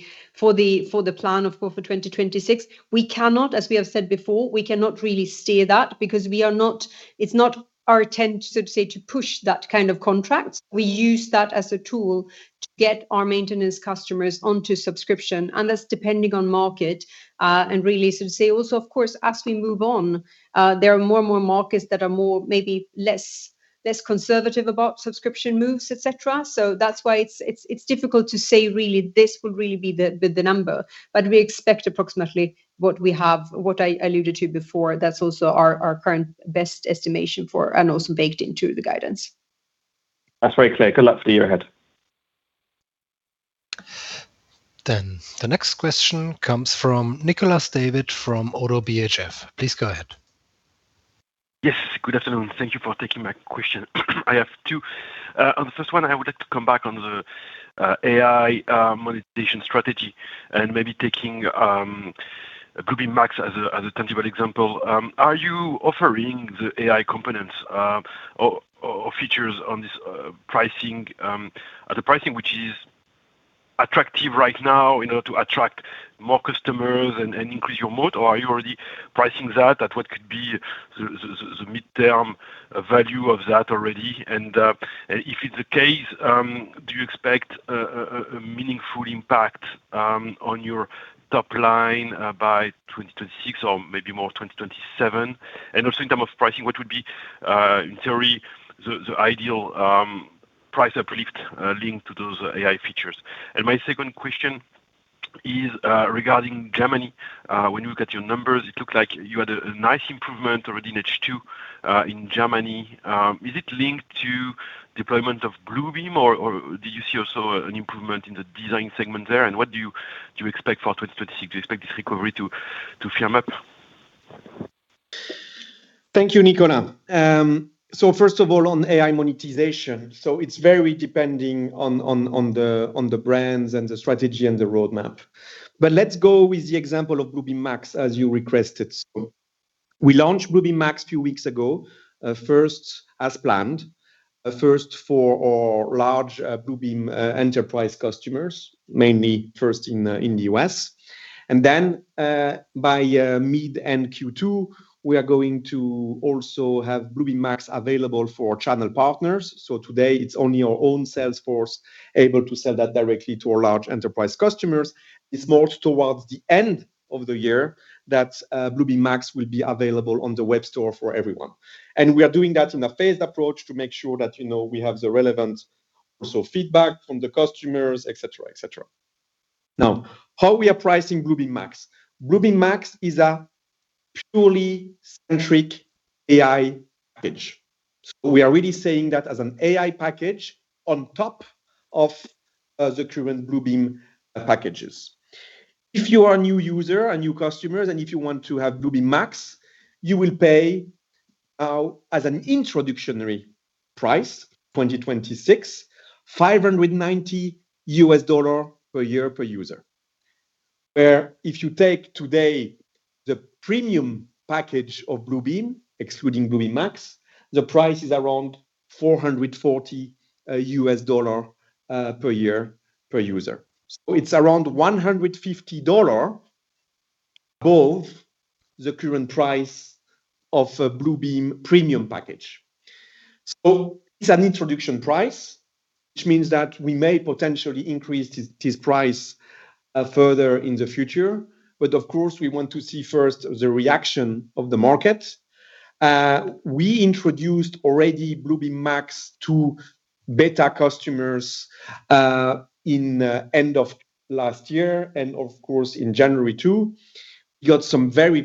plan of course for 2026. We cannot, as we have said before, really steer that because we are not. It's not our intent to so to say, to push that kind of contract. We use that as a tool to get our maintenance customers onto subscription, and that's depending on market, and really so to say also of course as we move on, there are more and more markets that are more, maybe less conservative about subscription moves, et cetera. That's why it's difficult to say really this will really be the number. We expect approximately what we have, what I alluded to before, that's also our current best estimation for and also baked into the guidance. That's very clear. Good luck for the year ahead. The next question comes from Nicolas David from ODDO BHF. Please go ahead. Yes, good afternoon. Thank you for taking my question. I have two. On the first one, I would like to come back on the AI monetization strategy and maybe taking Maxon as a tangible example. Are you offering the AI components or features on this pricing at a pricing which is attractive right now in order to attract more customers and increase your moat? Or are you already pricing that at what could be the midterm value of that already? If it's the case, do you expect a meaningful impact on your top line by 2026 or maybe more 2027? Also in terms of pricing, what would be in theory the ideal price uplift linked to those AI features? My second question is regarding Germany. When you look at your numbers, it looked like you had a nice improvement already in H2 in Germany. Is it linked to deployment of Bluebeam or do you see also an improvement in the Design segment there? What do you expect for 2026? Do you expect this recovery to firm up? Thank you, Nicolas. First of all, on AI monetization. It's very dependent on the brands and the strategy and the roadmap. Let's go with the example of Bluebeam Max, as you requested. We launched Bluebeam Max a few weeks ago, first as planned for our large Bluebeam enterprise customers, mainly first in the U.S. Then, by mid-Q2, we are going to also have Bluebeam Max available for channel partners. Today it's only our own sales force able to sell that directly to our large enterprise customers. It's more towards the end of the year that Bluebeam Max will be available on the web store for everyone. We are doing that in a phased approach to make sure that, you know, we have the relevant also feedback from the customers. Now, how we are pricing Bluebeam Max. Bluebeam Max is a purely AI-centric package. So we are really saying that as an AI package on top of the current Bluebeam packages. If you are a new user, a new customer, then if you want to have Bluebeam Max, you will pay, as an introductory price in 2026, $590 per year per user. Whereas if you take today the premium package of Bluebeam, excluding Bluebeam Max, the price is around $440 per year per user. So it's around $150 above the current price of a Bluebeam premium package. It's an introduction price, which means that we may potentially increase this price further in the future. Of course, we want to see first the reaction of the market. We introduced already Bluebeam Max to beta customers in end of last year, and of course, in January too. Got some very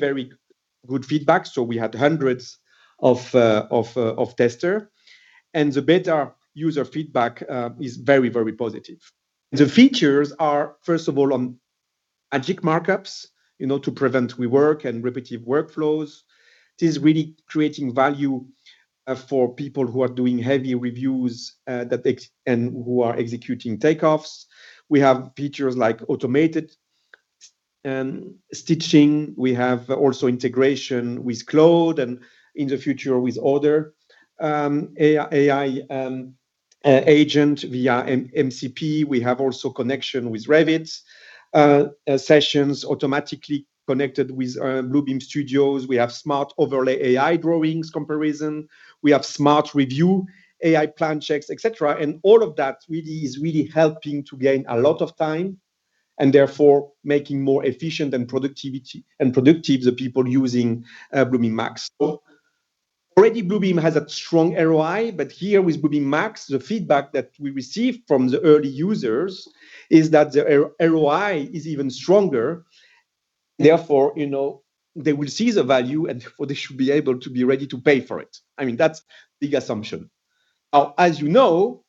good feedback. We had hundreds of testers. The beta user feedback is very positive. The features are, first of all, on magic markups, you know, to prevent rework and repetitive workflows. This is really creating value for people who are doing heavy reviews and who are executing takeoffs. We have features like automated stitching. We have also integration with Cloud, and in the future with other AI agent via MCP. We have also connection with Revit, sessions automatically connected with Bluebeam Studio. We have smart overlay AI drawings comparison. We have smart review, AI plan checks, et cetera. All of that really is helping to gain a lot of time, and therefore making more efficient and productive the people using Bluebeam Max. Already Bluebeam has a strong ROI, but here with Bluebeam Max, the feedback that we received from the early users is that the ROI is even stronger. Therefore, you know, they will see the value, and therefore they should be able to be ready to pay for it. I mean, that's the assumption. Now, as you know,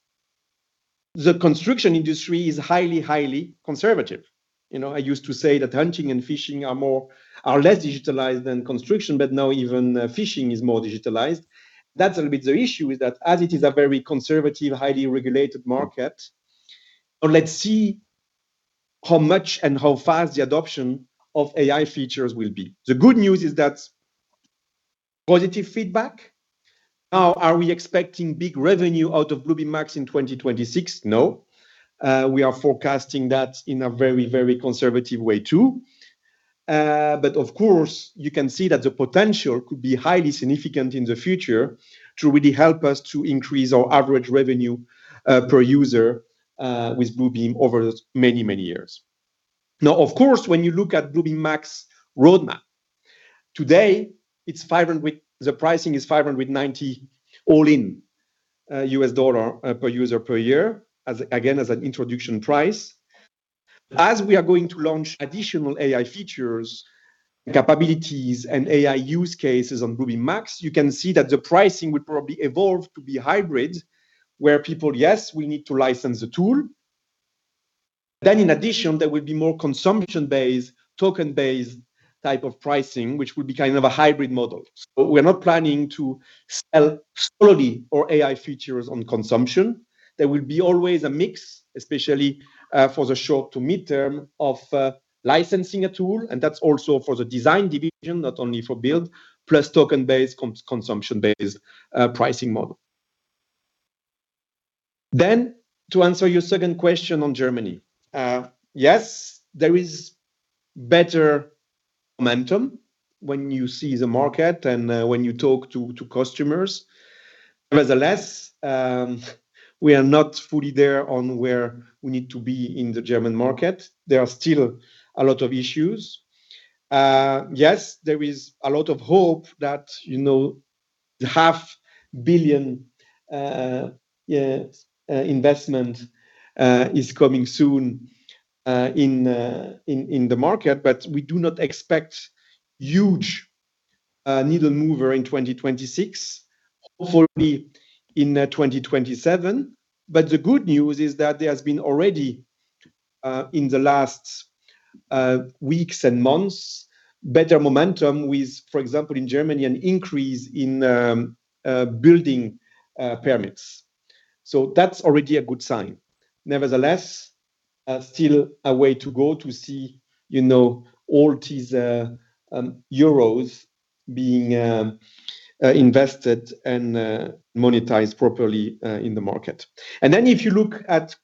the construction industry is highly conservative. You know, I used to say that hunting and fishing are less digitalized than construction, but now even fishing is more digitalized. That's a little bit the issue is that as it is a very conservative, highly regulated market, but let's see how much and how fast the adoption of AI features will be. The good news is that positive feedback. Now, are we expecting big revenue out of Bluebeam Max in 2026? No. We are forecasting that in a very, very conservative way too. But of course, you can see that the potential could be highly significant in the future to really help us to increase our average revenue per user with Bluebeam over many, many years. Now, of course, when you look at Bluebeam Max roadmap, today the pricing is $590 all in, U.S. dollar per user per year, as an introduction price. As we are going to launch additional AI features, capabilities, and AI use cases on Bluebeam Max, you can see that the pricing would probably evolve to be hybrid, where people, yes, we need to license the tool. In addition, there will be more consumption-based, token-based type of pricing, which would be kind of a hybrid model. We're not planning to sell solely our AI features on consumption. There will be always a mix, especially, for the short to mid-term of licensing a tool, and that's also for the Design division, not only for Build, plus token-based, consumption-based pricing model. To answer your second question on Germany, yes, there is better momentum when you see the market and when you talk to customers. Nevertheless, we are not fully there on where we need to be in the German market. There are still a lot of issues. Yes, there is a lot of hope that, you know, the half billion investment is coming soon in the market, but we do not expect huge needle mover in 2026. Hopefully in 2027. The good news is that there has been already in the last weeks and months better momentum with, for example, in Germany, an increase in building permits. That's already a good sign. Nevertheless, still a way to go to see, you know, all these euros being invested and monetized properly in the market. If you look at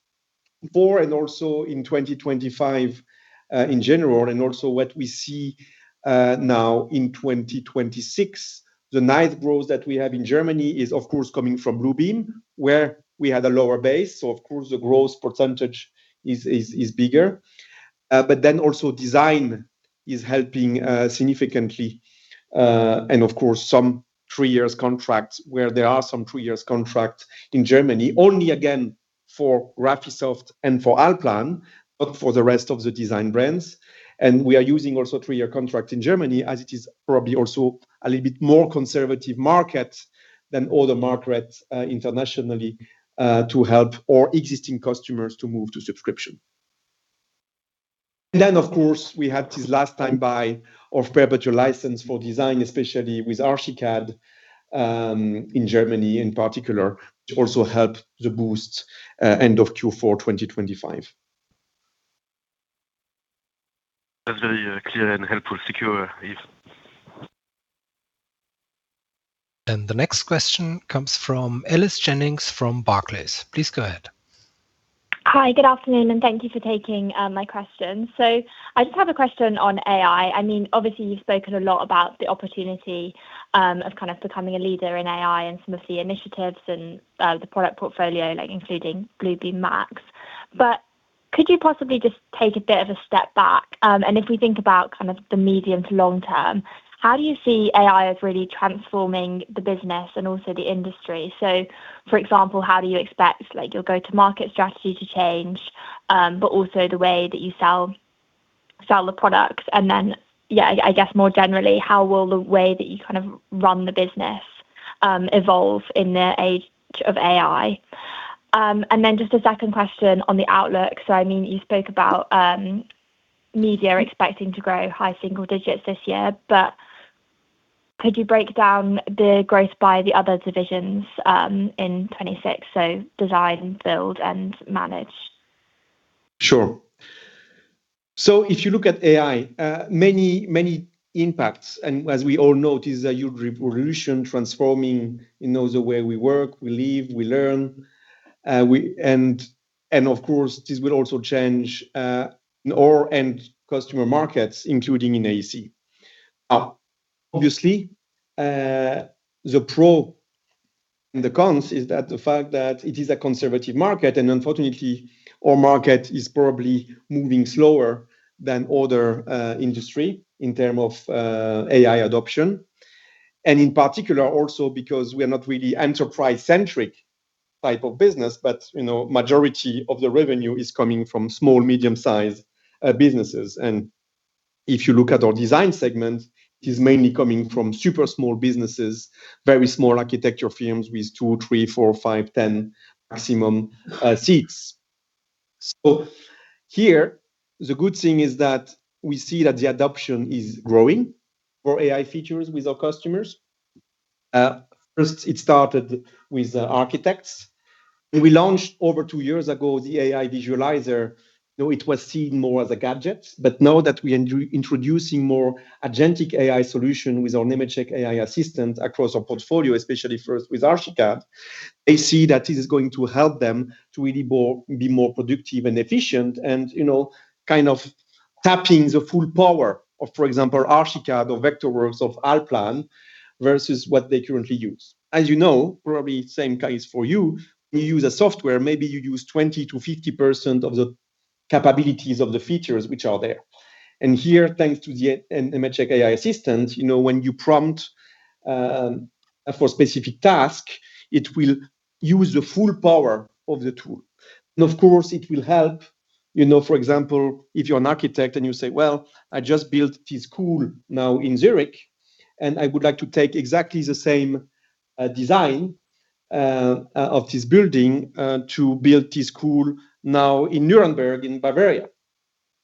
Q4 and also in 2025, in general, and also what we see, now in 2026, the nice growth that we have in Germany is of course coming from Bluebeam, where we had a lower base. Of course, the growth percentage is bigger. Design is helping significantly. Of course, some three-year contracts where there are some three-year contract in Germany, only again for Graphisoft and for Allplan, but for the rest of the Design brands. We are using also three-year contract in Germany, as it is probably also a little bit more conservative market than other markets, internationally, to help our existing customers to move to subscription. Of course, we had this last time buy of perpetual license for Design, especially with Archicad, in Germany in particular, to also help boost end of Q4 2025. That's very clear and helpful. Thank you, Yves. The next question comes from Alice Jennings from Barclays. Please go ahead. Hi, good afternoon, and thank you for taking my question. I just have a question on AI. I mean, obviously, you've spoken a lot about the opportunity of kind of becoming a leader in AI and some of the initiatives and the product portfolio, like including Bluebeam Max. Could you possibly just take a bit of a step back, and if we think about kind of the medium to long term, how do you see AI as really transforming the business and also the industry? For example, how do you expect, like, your go-to-market strategy to change, but also the way that you sell the products? Then, yeah, I guess more generally, how will the way that you kind of run the business evolve in the age of AI? Just a second question on the outlook. I mean, you spoke about Media expecting to grow high single digits this year. Could you break down the growth by the other divisions in 2026, so Design, Build, and Manage? Sure. If you look at AI, many, many impacts, and as we all know, it is a huge revolution transforming, you know, the way we work, we live, we learn. Of course, this will also change our end customer markets, including in AEC. Obviously, the pro and the cons is that the fact that it is a conservative market, and unfortunately, our market is probably moving slower than other industry in terms of AI adoption. In particular, also because we are not really enterprise-centric type of business, but, you know, majority of the revenue is coming from small, medium-size businesses. If you look at our Design segment, it is mainly coming from super small businesses, very small architecture firms with two, three, four, five, 10 maximum seats. Here, the good thing is that we see that the adoption is growing for AI features with our customers. First it started with the architects. When we launched over two years ago the AI Visualizer, though it was seen more as a gadget, but now that we introducing more agentic AI solution with our Nemetschek AI Assistant across our portfolio, especially first with Archicad, they see that it is going to help them to really be more productive and efficient and, you know, kind of tapping the full power of, for example, Archicad or Vectorworks or Allplan versus what they currently use. As you know, probably same case for you use a software, maybe you use 20%-50% of the capabilities of the features which are there. Here, thanks to the Nemetschek AI Assistant, you know, when you prompt for specific task, it will use the full power of the tool. Of course, it will help, you know, for example, if you're an architect and you say, "Well, I just built this school now in Zurich, and I would like to take exactly the same design of this building to build this school now in Nuremberg, in Bavaria."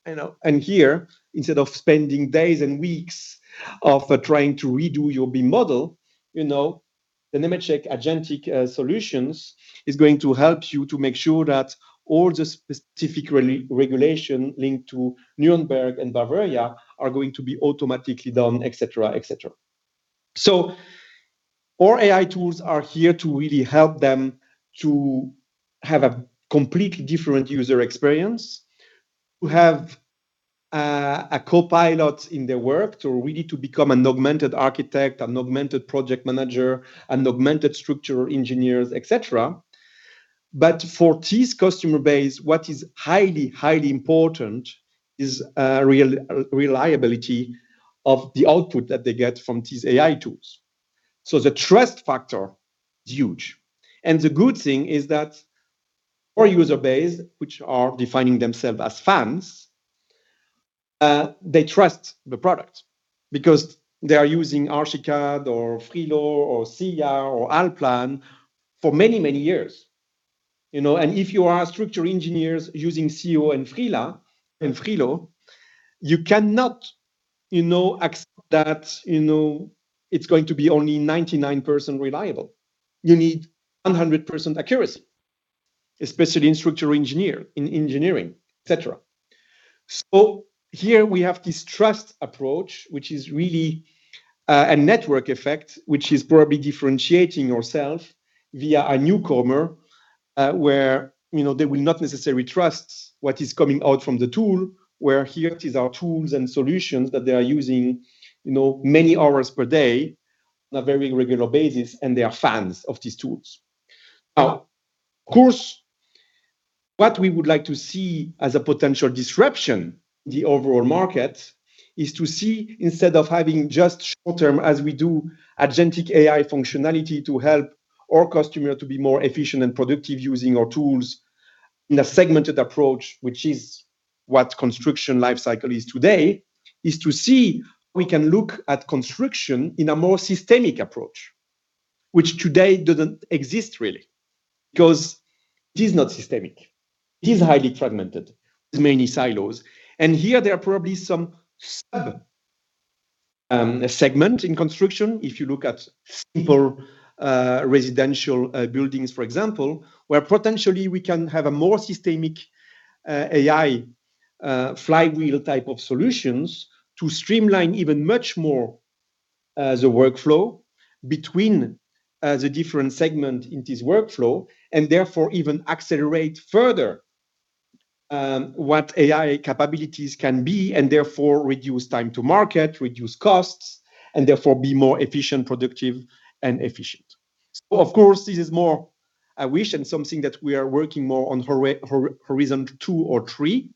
You know, and here, instead of spending days and weeks of trying to redo your BIM model, you know, the Nemetschek agentic solutions is going to help you to make sure that all the specific regulations linked to Nuremberg and Bavaria are going to be automatically done, et cetera, et cetera. Our AI tools are here to really help them to have a completely different user experience, to have a co-pilot in their work to really become an augmented architect, an augmented project manager, an augmented structural engineers, et cetera. For this customer base, what is highly important is reliability of the output that they get from these AI tools. The trust factor is huge. The good thing is that our user base, which are defining themselves as fans, they trust the product because they are using Archicad or FRILO or SCIA or Allplan for many years. You know, if you are a structural engineers using SCIA and FRILO, you cannot, you know, accept that it's going to be only 99% reliable. You need 100% accuracy, especially in structural engineering, et cetera. Here we have this trust approach, which is really a network effect, which is probably differentiating ourselves vis-à-vis a newcomer, where, you know, they will not necessarily trust what is coming out from the tool, where here it is our tools and solutions that they are using, you know, many hours per day on a very regular basis, and they are fans of these tools. What we would like to see as a potential disruption to the overall market is to see instead of having just short term as we do agentic AI functionality to help our customer to be more efficient and productive using our tools in a segmented approach, which is what construction life cycle is today, is to see we can look at construction in a more systemic approach, which today doesn't exist really, because it is not systemic. It is highly fragmented with many silos. Here there are probably some seven segments in construction. If you look at simple residential buildings, for example, where potentially we can have a more systemic AI flywheel type of solutions to streamline even much more the workflow between the different segment in this workflow, and therefore even accelerate further what AI capabilities can be and therefore reduce time to market, reduce costs, and therefore be more efficient and productive. Of course, this is more a wish and something that we are working more on horizon two or three,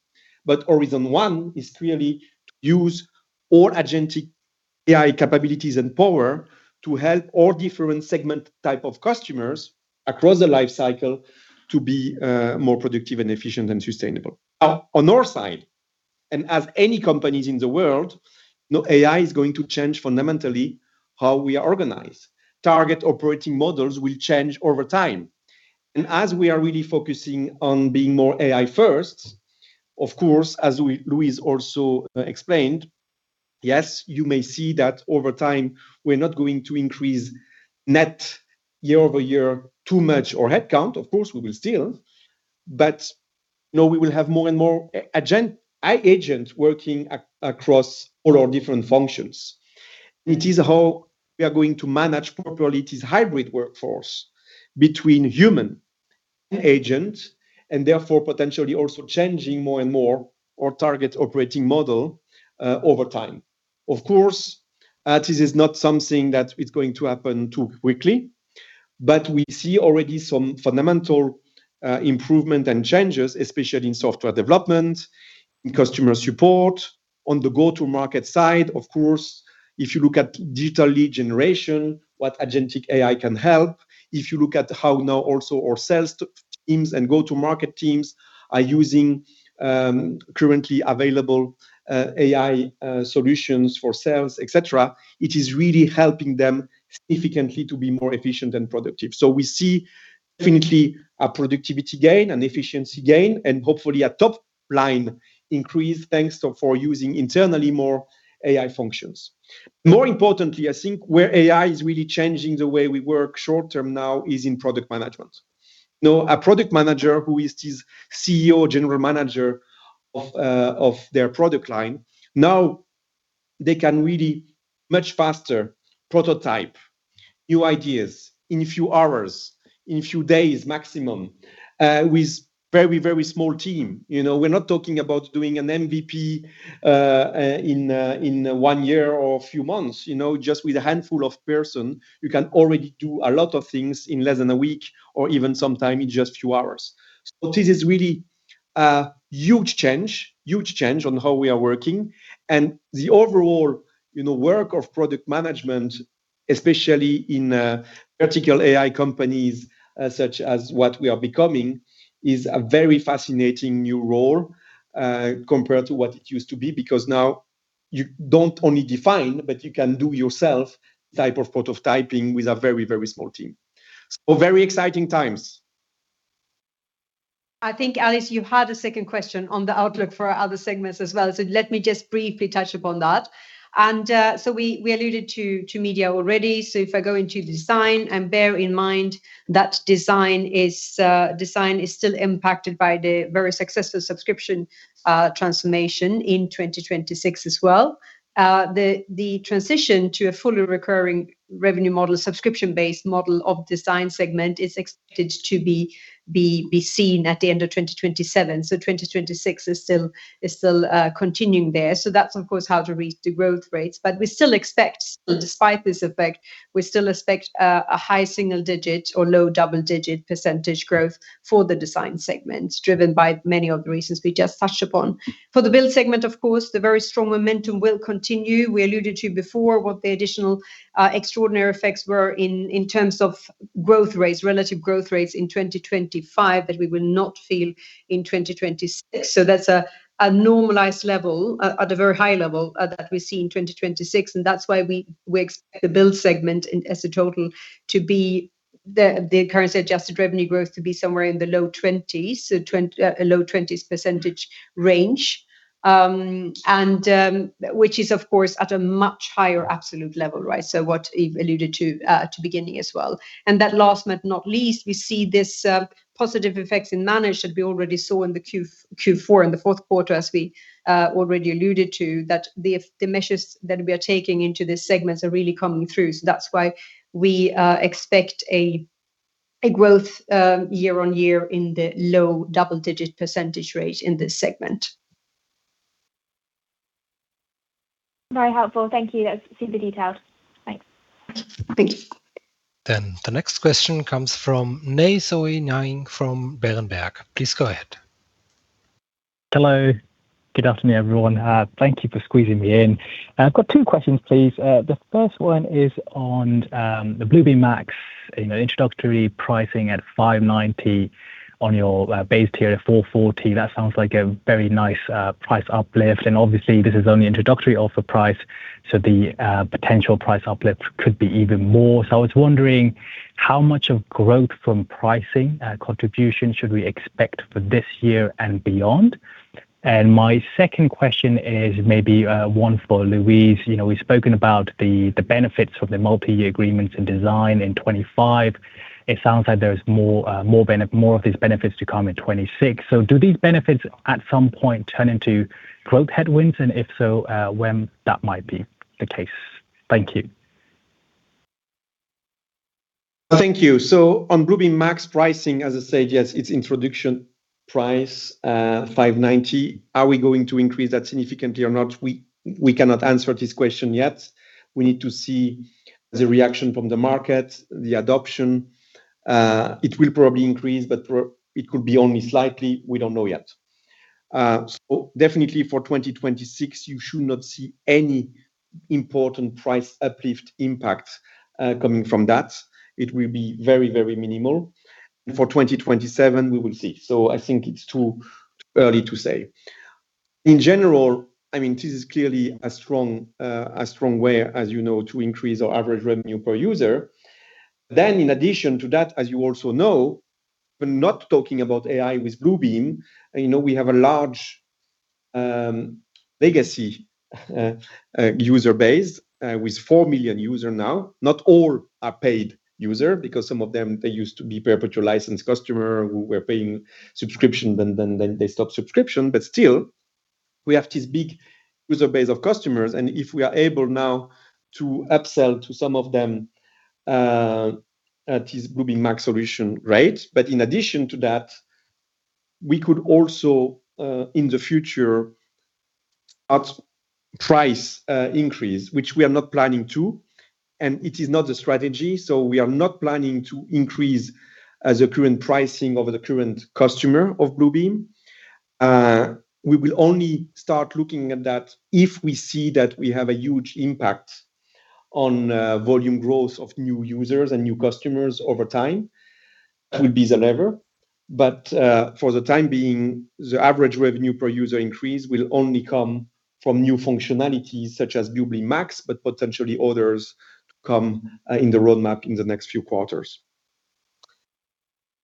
but horizon one is really to use all agentic AI capabilities and power to help all different segment type of customers across the life cycle to be more productive and efficient and sustainable. On our side, and as any companies in the world, you know, AI is going to change fundamentally how we are organized. Target operating models will change over time. As we are really focusing on being more AI first, of course, as we Louise also explained, yes, you may see that over time we're not going to increase net year-over-year too much or headcount. Of course, we will still, you know, we will have more and more AI agent working across all our different functions. It is how we are going to manage properly this hybrid workforce between human agent and therefore potentially also changing more and more our target operating model over time. Of course, this is not something that is going to happen too quickly, but we see already some fundamental improvement and changes, especially in software development, in customer support. On the go-to-market side, of course, if you look at digital lead generation, what agentic AI can help, if you look at how now also our sales teams and go-to-market teams are using, currently available, AI, solutions for sales, et cetera, it is really helping them significantly to be more efficient and productive. We see definitely a productivity gain and efficiency gain and hopefully a top line increase for using internally more AI functions. More importantly, I think where AI is really changing the way we work short term now is in product Management. You know, a Product Manager who is this CEO, General Manager of their product line, now they can really much faster prototype new ideas in a few hours, in a few days maximum, with very, very small team. You know, we're not talking about doing an MVP in one year or a few months. You know, just with a handful of person, you can already do a lot of things in less than a week or even sometime in just few hours. So this is really a huge change on how we are working. The overall, you know, work of product management, especially in vertical AI companies such as what we are becoming, is a very fascinating new role compared to what it used to be, because now you don't only define, but you can do yourself type of prototyping with a very, very small team. So very exciting times. I think, Alice, you had a second question on the outlook for our other segments as well. Let me just briefly touch upon that. We alluded to Media already. If I go into Design, and bear in mind that Design is still impacted by the very successful subscription transformation in 2026 as well. The transition to a fully recurring revenue model, subscription-based model of Design segment is expected to be seen at the end of 2027. 2026 is still continuing there. That's of course how to reach the growth rates. We still expect, despite this effect, we still expect a high single-digit or low double-digit % growth for the Design segment, driven by many of the reasons we just touched upon. For the Build segment, of course, the very strong momentum will continue. We alluded to before what the additional extraordinary effects were in terms of growth rates, relative growth rates in 2025 that we will not feel in 2026. That's a normalized level at a very high level that we see in 2026. That's why we expect the Build segment as a total current adjusted revenue growth to be somewhere in the low 20s. A low 20s percentage range. Which is of course at a much higher absolute level, right? What Yves alluded to at the beginning as well. That last but not least, we see this positive effects in Manage that we already saw in the Q4, in the fourth quarter, as we already alluded to, that the measures that we are taking into these segments are really coming through. That's why we expect a growth year-on-year in the low double-digit % rate in this segment. Very helpful. Thank you. That's super detailed. Thanks. Thank you. The next question comes from Nay Soe Naing from Berenberg. Please go ahead. Hello. Good afternoon, everyone. Thank you for squeezing me in. I've got two questions, please. The first one is on the Bluebeam Max, you know, introductory pricing at $590 on your base tier at $440. That sounds like a very nice price uplift, and obviously this is only introductory offer price, so the potential price uplift could be even more. So I was wondering how much of growth from pricing contribution should we expect for this year and beyond. My second question is maybe one for Louise. You know, we've spoken about the benefits of the multi-year agreements in Design in 2025. It sounds like there's more of these benefits to come in 2026. So do these benefits at some point turn into growth headwinds? If so, when that might be the case. Thank you. Thank you. On Bluebeam Max pricing, as I said, yes, its introduction price, $590. Are we going to increase that significantly or not? We cannot answer this question yet. We need to see the reaction from the market, the adoption. It will probably increase, but it could be only slightly. We don't know yet. Definitely for 2026, you should not see any important price uplift impact coming from that. It will be very, very minimal. For 2027, we will see. I think it's too early to say. In general, I mean, this is clearly a strong way, as you know, to increase our average revenue per user. In addition to that, as you also know, we're not talking about AI with Bluebeam. You know, we have a large legacy user base with 4 million user now. Not all are paid user because some of them, they used to be perpetual licensed customer who were paying subscription, then they stop subscription. Still, we have this big user base of customers, and if we are able now to upsell to some of them at this Bluebeam Max solution, right? In addition to that, we could also in the future price increase, which we are not planning to, and it is not a strategy. We are not planning to increase the current pricing of the current customer of Bluebeam. We will only start looking at that if we see that we have a huge impact on volume growth of new users and new customers over time. That will be the lever. For the time being, the average revenue per user increase will only come from new functionalities such as Bluebeam Max, but potentially others to come, in the roadmap in the next few quarters.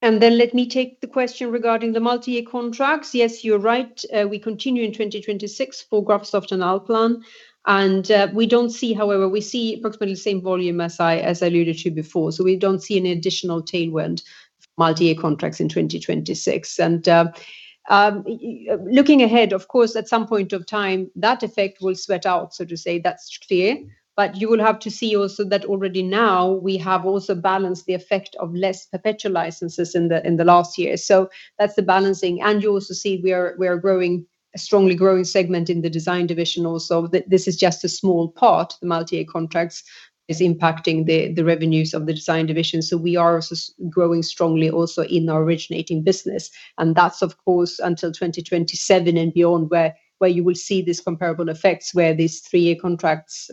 Then let me take the question regarding the multi-year contracts. Yes, you're right. We continue in 2026 for Graphisoft and Allplan. However, we see approximately the same volume as I alluded to before. We don't see any additional tailwind multi-year contracts in 2026. Looking ahead, of course, at some point of time, that effect will sweat out, so to say. That's clear. You will have to see also that already now we have also balanced the effect of less perpetual licenses in the last year. That's the balancing. You also see we are growing a strongly growing segment in the Design division also. This is just a small part. The multi-year contracts is impacting the revenues of the Design division. We are also growing strongly also in our subscription business. That's of course until 2027 and beyond where you will see these comparable effects where these three-year contracts,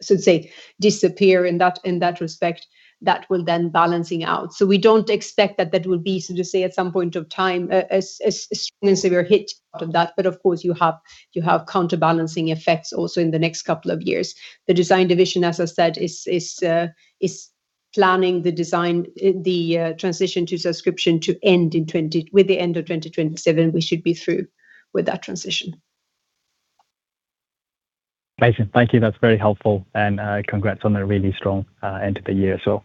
so to say, disappear in that respect. That will then balance out. We don't expect that will be, so to say, at some point of time, a severe hit out of that. Of course, you have counterbalancing effects also in the next couple of years. The Design division, as I said, is planning the transition to subscription to end in 2027 with the end of 2027. We should be through with that transition. Amazing. Thank you. That's very helpful. Congrats on a really strong end to the year as well.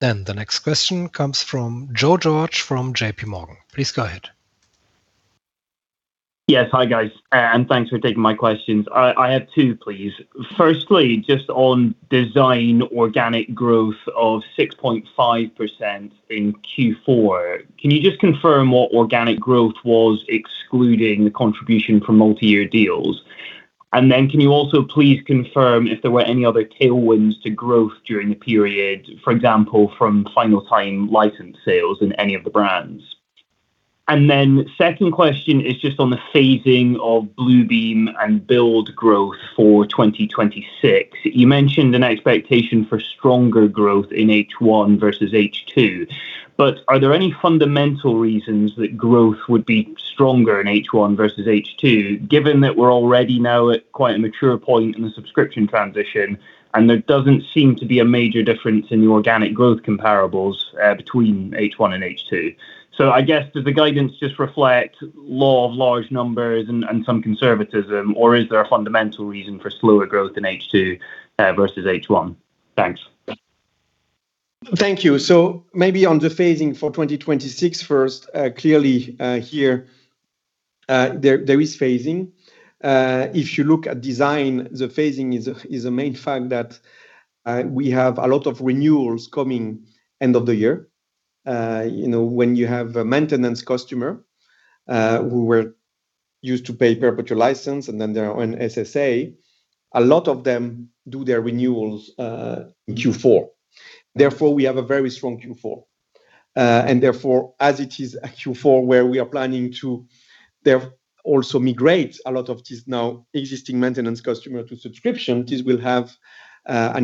The next question comes from Joe George from JPMorgan Chase & Co. Please go ahead. Yes. Hi, guys, and thanks for taking my questions. I have two, please. Firstly, just on Design organic growth of 6.5% in Q4. Can you just confirm what organic growth was excluding the contribution from multi-year deals? And then can you also please confirm if there were any other tailwinds to growth during the period, for example, from final time license sales in any of the brands? And then second question is just on the phasing of Bluebeam and Build growth for 2026. You mentioned an expectation for stronger growth in H1 versus H2, but are there any fundamental reasons that growth would be stronger in H1 versus H2, given that we're already now at quite a mature point in the subscription transition, and there doesn't seem to be a major difference in the organic growth comparables between H1 and H2. I guess, does the guidance just reflect law of large numbers and some conservatism, or is there a fundamental reason for slower growth in H2 versus H1? Thanks. Thank you. Maybe on the phasing for 2026 first, clearly, here, there is phasing. If you look at Design, the phasing is a main fact that we have a lot of renewals coming end of the year. When you have a maintenance customer who were used to pay perpetual license and then they're on SSA, a lot of them do their renewals in Q4. Therefore, we have a very strong Q4. Therefore, as it is a Q4 where we are planning to also migrate a lot of these now existing maintenance customer to subscription, this will have a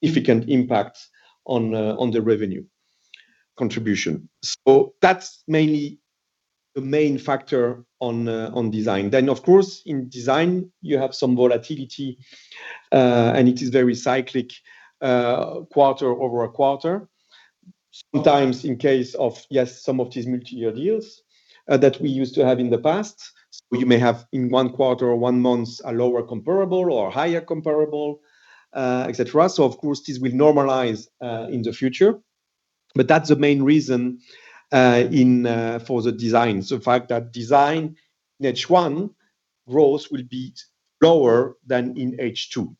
significant impact on the revenue contribution. That's mainly the main factor on Design. Of course, in Design you have some volatility, and it is very cyclic, quarter over quarter. Sometimes in case of, yes, some of these multi-year deals, that we used to have in the past. You may have in one quarter or one month a lower comparable or higher comparable, et cetera. Of course this will normalize in the future. That's the main reason in for the Design. The fact that Design H1 growth will be lower than in H2.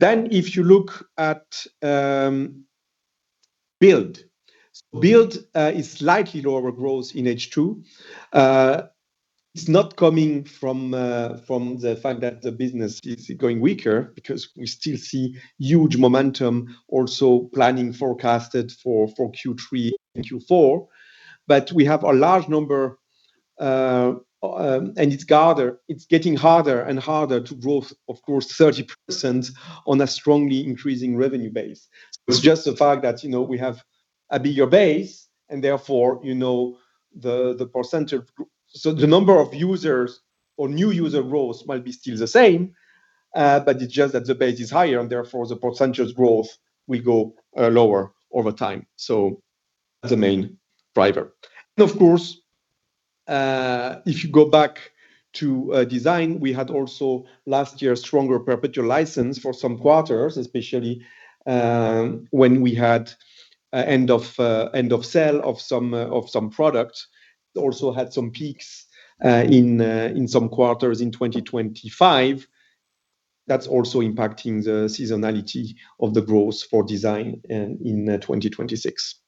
If you look at Build. Build is slightly lower growth in H2. It's not coming from the fact that the business is going weaker because we still see huge momentum also planning forecasted for Q3 and Q4. We have a large number, and it's getting harder and harder to grow, of course, 30% on a strongly increasing revenue base. It's just the fact that, you know, we have a bigger base and therefore, you know, the percentage. The number of users or new user growth might be still the same, but it's just that the base is higher and therefore the percentage growth will go lower over time. That's the main driver. Of course, if you go back to Design, we had also last year stronger perpetual license for some quarters, especially when we had end of sale of some products. Also had some peaks in some quarters in 2025. That's also impacting the seasonality of the growth for Design in 2026.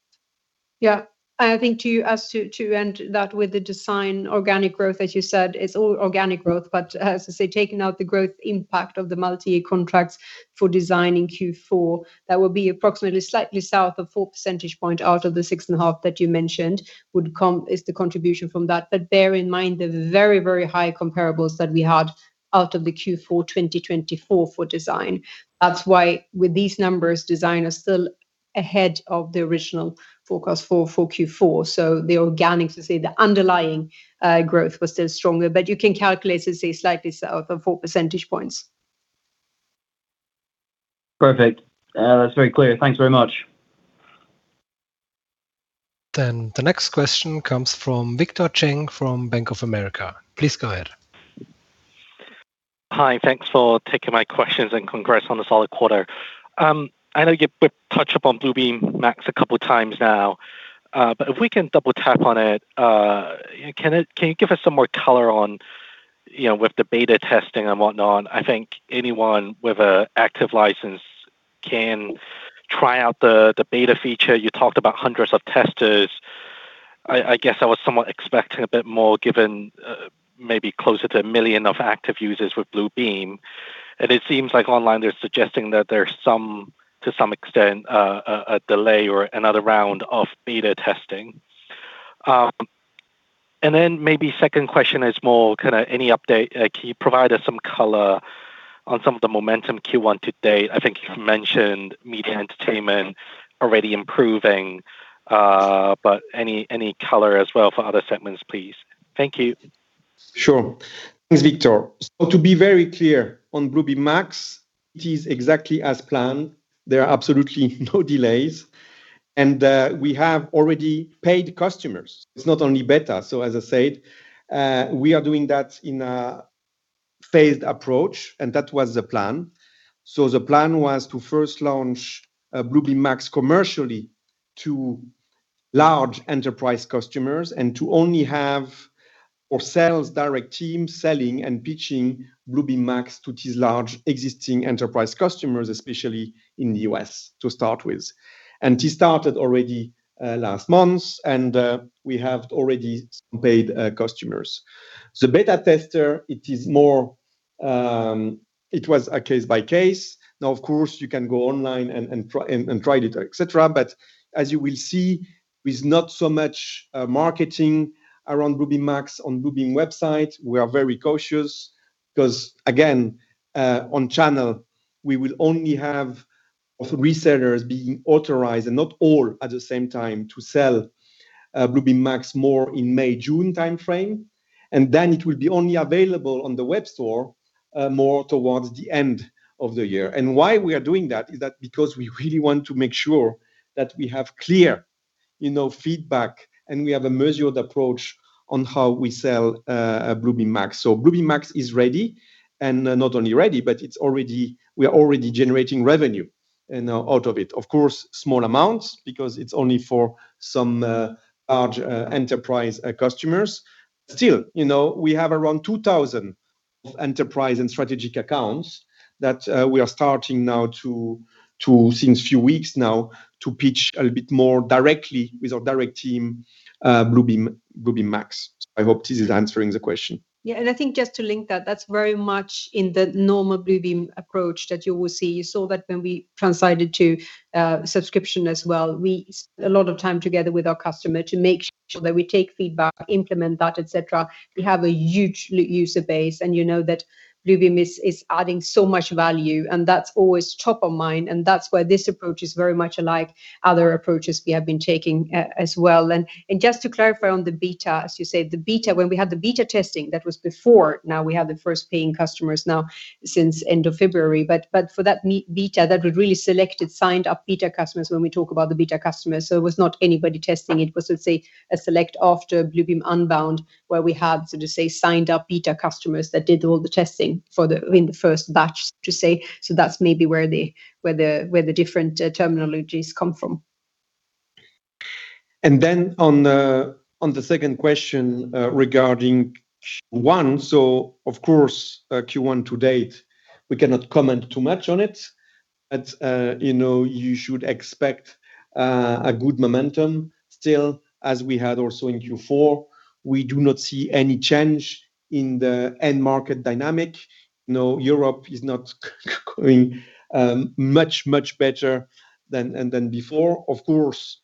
Yeah. I think, to end that with the Design organic growth, as you said, it's all organic growth. As I say, taking out the growth impact of the multi-year contracts for Design in Q4, that will be approximately slightly south of 4 percentage point out of the 6.5 that you mentioned would come as the contribution from that. Bear in mind the very, very high comparables that we had out of the Q4 2024 for Design. That's why with these numbers, Design is still ahead of the original forecast for Q4. The organic, as you say, the underlying growth was still stronger. You can calculate, as you say, slightly south of 4 percentage points. Perfect. That's very clear. Thanks very much. The next question comes from Victor Cheng from Bank of America. Please go ahead. Hi. Thanks for taking my questions and congrats on the solid quarter. I know you touched upon Bluebeam Max a couple of times now, but if we can double tap on it, can you give us some more color on, you know, with the beta testing and whatnot? I think anyone with an active license can try out the beta feature. You talked about hundreds of testers. I guess I was somewhat expecting a bit more given, maybe closer to a million of active users with Bluebeam. It seems like online they're suggesting that there's some, to some extent, a delay or another round of beta testing. Then maybe second question is more kinda any update. Like, can you provide us some color on some of the momentum Q1 to date? I think you've mentioned Media and Entertainment already improving, but any color as well for other segments, please. Thank you. Sure. Thanks, Victor. To be very clear on Bluebeam Max, it is exactly as planned. There are absolutely no delays, and we have already paid customers. It's not only beta. As I said, we are doing that in a phased approach, and that was the plan. The plan was to first launch Bluebeam Max commercially to large enterprise customers and to only have our direct sales team selling and pitching Bluebeam Max to these large existing enterprise customers, especially in the U.S. to start with. This started already last month, and we have already some paid customers. The beta tester, it is more. It was a case by case. Now, of course you can go online and try it, et cetera. As you will see, with not so much marketing around Bluebeam Max on Bluebeam website, we are very cautious because again, on channel, we will only have a few resellers being authorized and not all at the same time to sell Bluebeam Max more in May/June timeframe. It will be only available on the web store more towards the end of the year. Why we are doing that is that because we really want to make sure that we have clear, you know, feedback, and we have a measured approach on how we sell Bluebeam Max. Bluebeam Max is ready, and not only ready, but we are already generating revenue, you know, out of it. Of course, small amounts because it's only for some large enterprise customers. Still, you know, we have around 2,000 of enterprise and strategic accounts that we are starting now to since a few weeks now to pitch a bit more directly with our direct team, Bluebeam Max. I hope this is answering the question. Yeah. I think just to link that's very much in the normal Bluebeam approach that you will see. You saw that when we transitioned to subscription as well. We spend a lot of time together with our customers to make sure that we take feedback, implement that, et cetera. We have a huge user base, and you know that Bluebeam is adding so much value, and that's always top of mind, and that's why this approach is very much like other approaches we have been taking as well. Just to clarify on the beta, as you said, the beta when we had the beta testing, that was before. Now we have the first paying customers since end of February. For that, the beta, that was really selected signed-up beta customers when we talk about the beta customers. It was not anybody testing it. It was, let's say, a select after Bluebeam Unbound, where we had, so to say, signed up beta customers that did all the testing in the first batch to say. That's maybe where the different terminologies come from. On the second question, regarding Q1, so of course, Q1 to date, we cannot comment too much on it. But, you know, you should expect a good momentum still as we had also in Q4. We do not see any change in the end market dynamic. No, Europe is not going much better than before. Of course,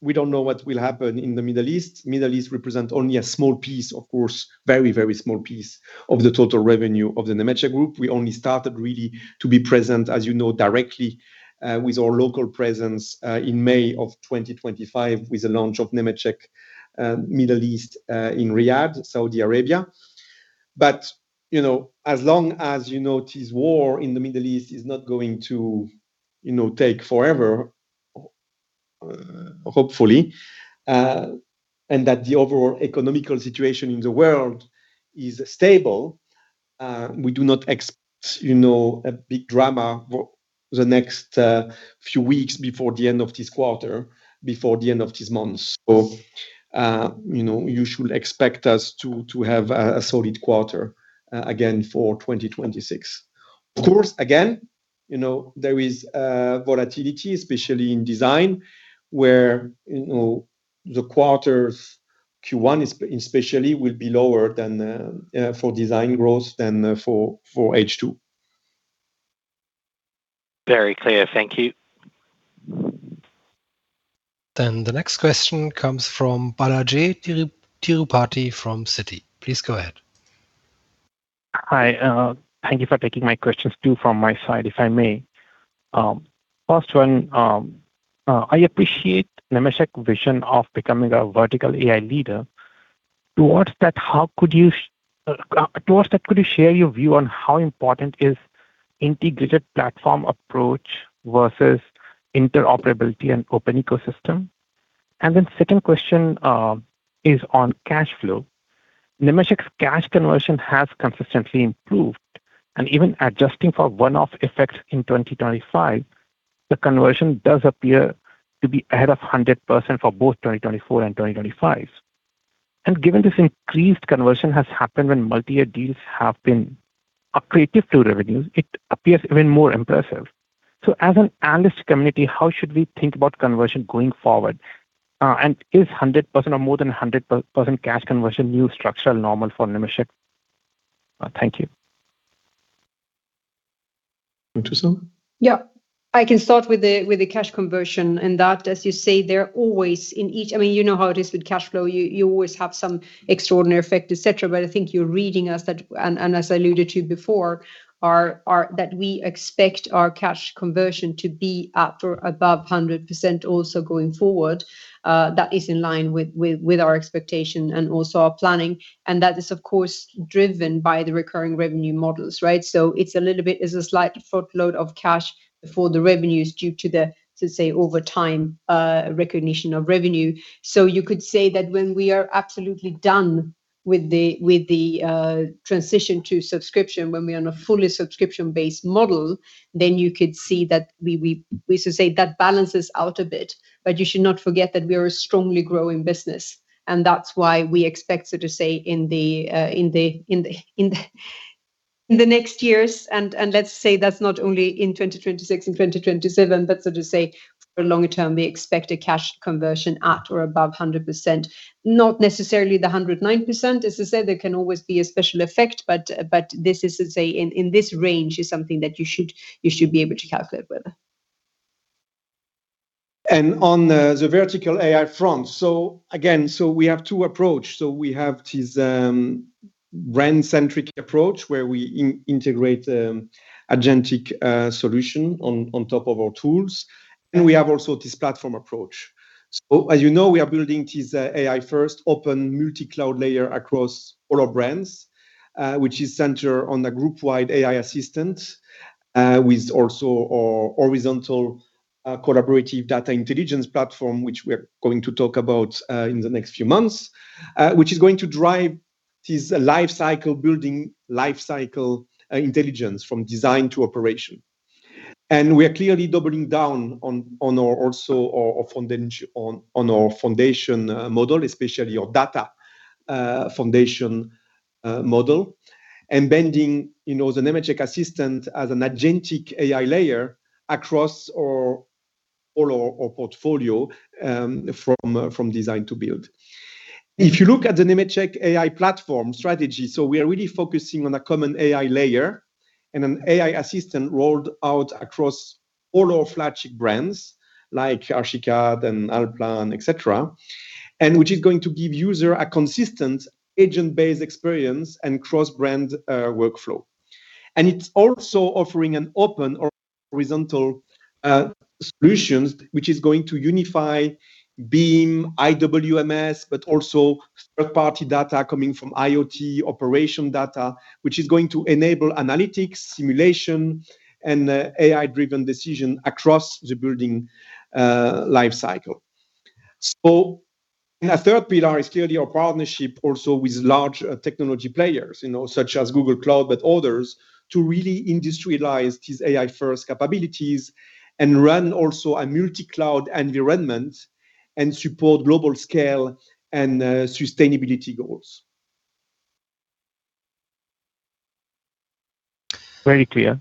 we don't know what will happen in the Middle East. Middle East represents only a small piece, of course, very small piece of the total revenue of the Nemetschek Group. We only started really to be present, as you know, directly with our local presence in May of 2025 with the launch of Nemetschek Middle East in Riyadh, Saudi Arabia. You know, as long as you know, this war in the Middle East is not going to you know, take forever, hopefully, and that the overall economic situation in the world is stable, we do not expect you know, a big drama for the next few weeks before the end of this quarter, before the end of this month. You know, you should expect us to have a solid quarter again for 2026. Of course, again, you know, there is volatility, especially in Design, where you know, the quarters Q1 especially will be lower than for Design growth than for H2. Very clear. Thank you. The next question comes from Balajee Tirupati from Citi. Please go ahead. Hi. Thank you for taking my questions too from my side, if I may. First one, I appreciate Nemetschek vision of becoming a vertical AI leader. Towards that, could you share your view on how important is integrated platform approach versus interoperability and open ecosystem? Second question is on cash flow. Nemetschek's cash conversion has consistently improved, and even adjusting for one-off effects in 2025, the conversion does appear to be ahead of 100% for both 2024 and 2025. Given this increased conversion has happened when multi-year deals have been accretive to revenues, it appears even more impressive. As an analyst community, how should we think about conversion going forward? Is 100% or more than 100% cash conversion new structural normal for Nemetschek? Thank you. Can you start. Yeah. I can start with the cash conversion, and that, as you say, they're always, I mean, you know how it is with cash flow. You always have some extraordinary effect, et cetera. I think you're right in that, and as I alluded to before, that we expect our cash conversion to be at or above 100% also going forward. That is in line with our expectation and also our planning, and that is of course driven by the recurring revenue models, right? It's a little bit of a slight front load of cash for the revenues due to the, so to say, over time recognition of revenue. You could say that when we are absolutely done with the transition to subscription, when we're on a fully subscription-based model, then you could see that we should say that balances out a bit. You should not forget that we are a strongly growing business, and that's why we expect, so to say, in the next years, and let's say that's not only in 2026 and 2027, but so to say for longer term, we expect a cash conversion at or above 100%. Not necessarily the 109%. As I said, there can always be a special effect, but this is to say in this range is something that you should be able to calculate with. On the vertical AI front, we have two approach. We have this brand-centric approach where we integrate agentic solution on top of our tools. We have also this platform approach. As you know, we are Building this AI-first open multi-cloud layer across all our brands, which is centered on a group-wide AI assistant, with also our horizontal collaborative data intelligence platform, which we're going to talk about in the next few months, which is going to drive this building life cycle intelligence from Design to operation. We are clearly doubling down on our foundation model, especially our data foundation model. Building, you know, the Nemetschek AI Assistant as an agentic AI layer across all our portfolio from Design to Build. If you look at the Nemetschek AI platform strategy, we are really focusing on a common AI layer and an AI assistant rolled out across all our flagship brands like Archicad and Allplan, et cetera, and which is going to give user a consistent agent-based experience and cross-brand workflow. It's also offering an open or horizontal solutions, which is going to unify BIM, IWMS, but also third-party data coming from IoT operation data, which is going to enable analytics, simulation, and AI-driven decision across the building life cycle. The third pillar is clearly our partnership also with large technology players, you know, such as Google Cloud, but others to really industrialize these AI-first capabilities and run also a multi-cloud environment and support global scale and sustainability goals. Very clear.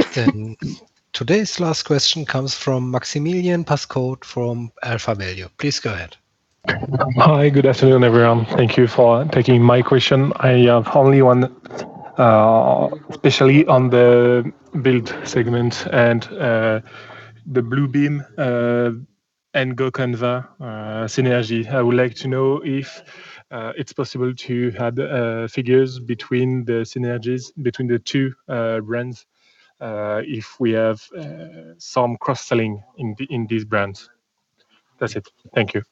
Thanks. Today's last question comes from Maximilien Pascaud from AlphaValue. Please go ahead. Hi. Good afternoon, everyone. Thank you for taking my question. I have only one, especially on the Build segment and the Bluebeam and GoCanvas synergy. I would like to know if it's possible to have figures between the synergies between the two brands, if we have some cross-selling in these brands. That's it. Thank you.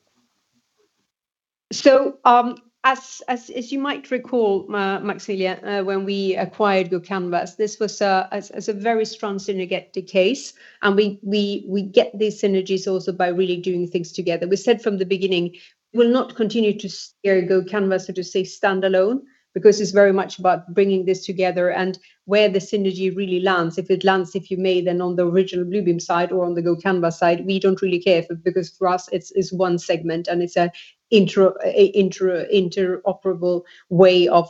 As you might recall, Maximilien, when we acquired GoCanvas, this was as a very strong synergetic case, and we get these synergies also by really doing things together. We said from the beginning, we'll not continue to carry GoCanvas, so to say, standalone because it's very much about bringing this together and where the synergy really lands. If it lands, if you may, then on the original Bluebeam side or on the GoCanvas side, we don't really care because for us it's one segment and it's an interoperable way of,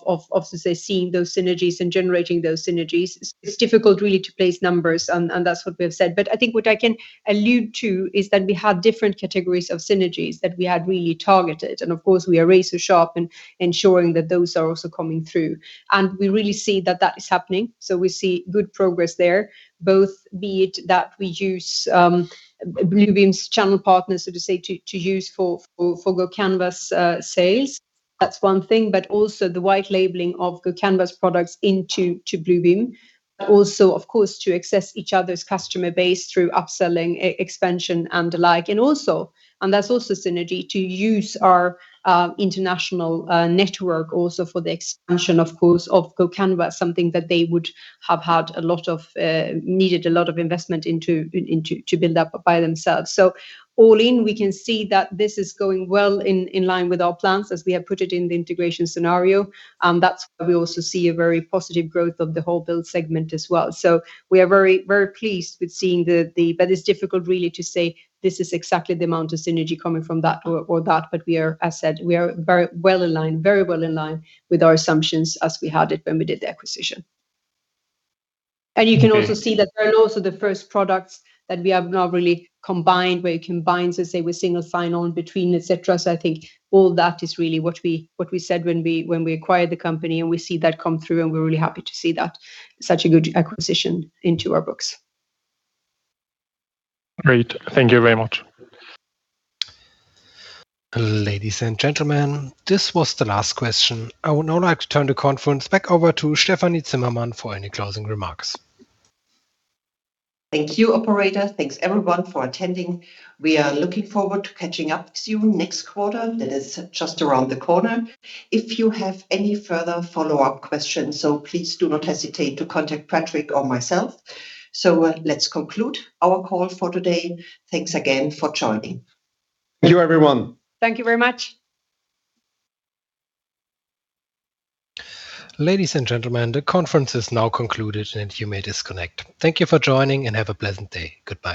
to say, seeing those synergies and generating those synergies. It's difficult really to place numbers and that's what we have said. I think what I can allude to is that we have different categories of synergies that we had really targeted and of course we are razor sharp in ensuring that those are also coming through. We really see that that is happening, so we see good progress there, both be it that we use Bluebeam's channel partners so to say to use for GoCanvas sales. That's one thing. Also the white labeling of GoCanvas products into to Bluebeam. Also, of course, to access each other's customer base through upselling, expansion and the like. That's also synergy to use our international network also for the expansion, of course, of GoCanvas, something that they would have needed a lot of investment into to build up by themselves. All in, we can see that this is going well in line with our plans as we have put it in the integration scenario. That's why we also see a very positive growth of the whole Build segment as well. We are very pleased. It's difficult really to say this is exactly the amount of synergy coming from that or that, but we are, as said, we are very well aligned, very well in line with our assumptions as we had it when we did the acquisition. Okay. You can also see that there are also the first products that we have now really combined, where it combines, let's say, with single sign-on between, et cetera. I think all that is really what we said when we acquired the company, and we see that come through, and we're really happy to see that such a good acquisition into our books. Great. Thank you very much. Ladies and gentlemen, this was the last question. I would now like to turn the conference back over to Stefanie Zimmermann for any closing remarks. Thank you, operator. Thanks everyone for attending. We are looking forward to catching up with you next quarter, that is just around the corner. If you have any further follow-up questions, so please do not hesitate to contact Patrick or myself. Let's conclude our call for today. Thanks again for joining. Thank you everyone. Thank you very much. Ladies and gentlemen, the conference is now concluded and you may disconnect. Thank you for joining and have a pleasant day. Goodbye.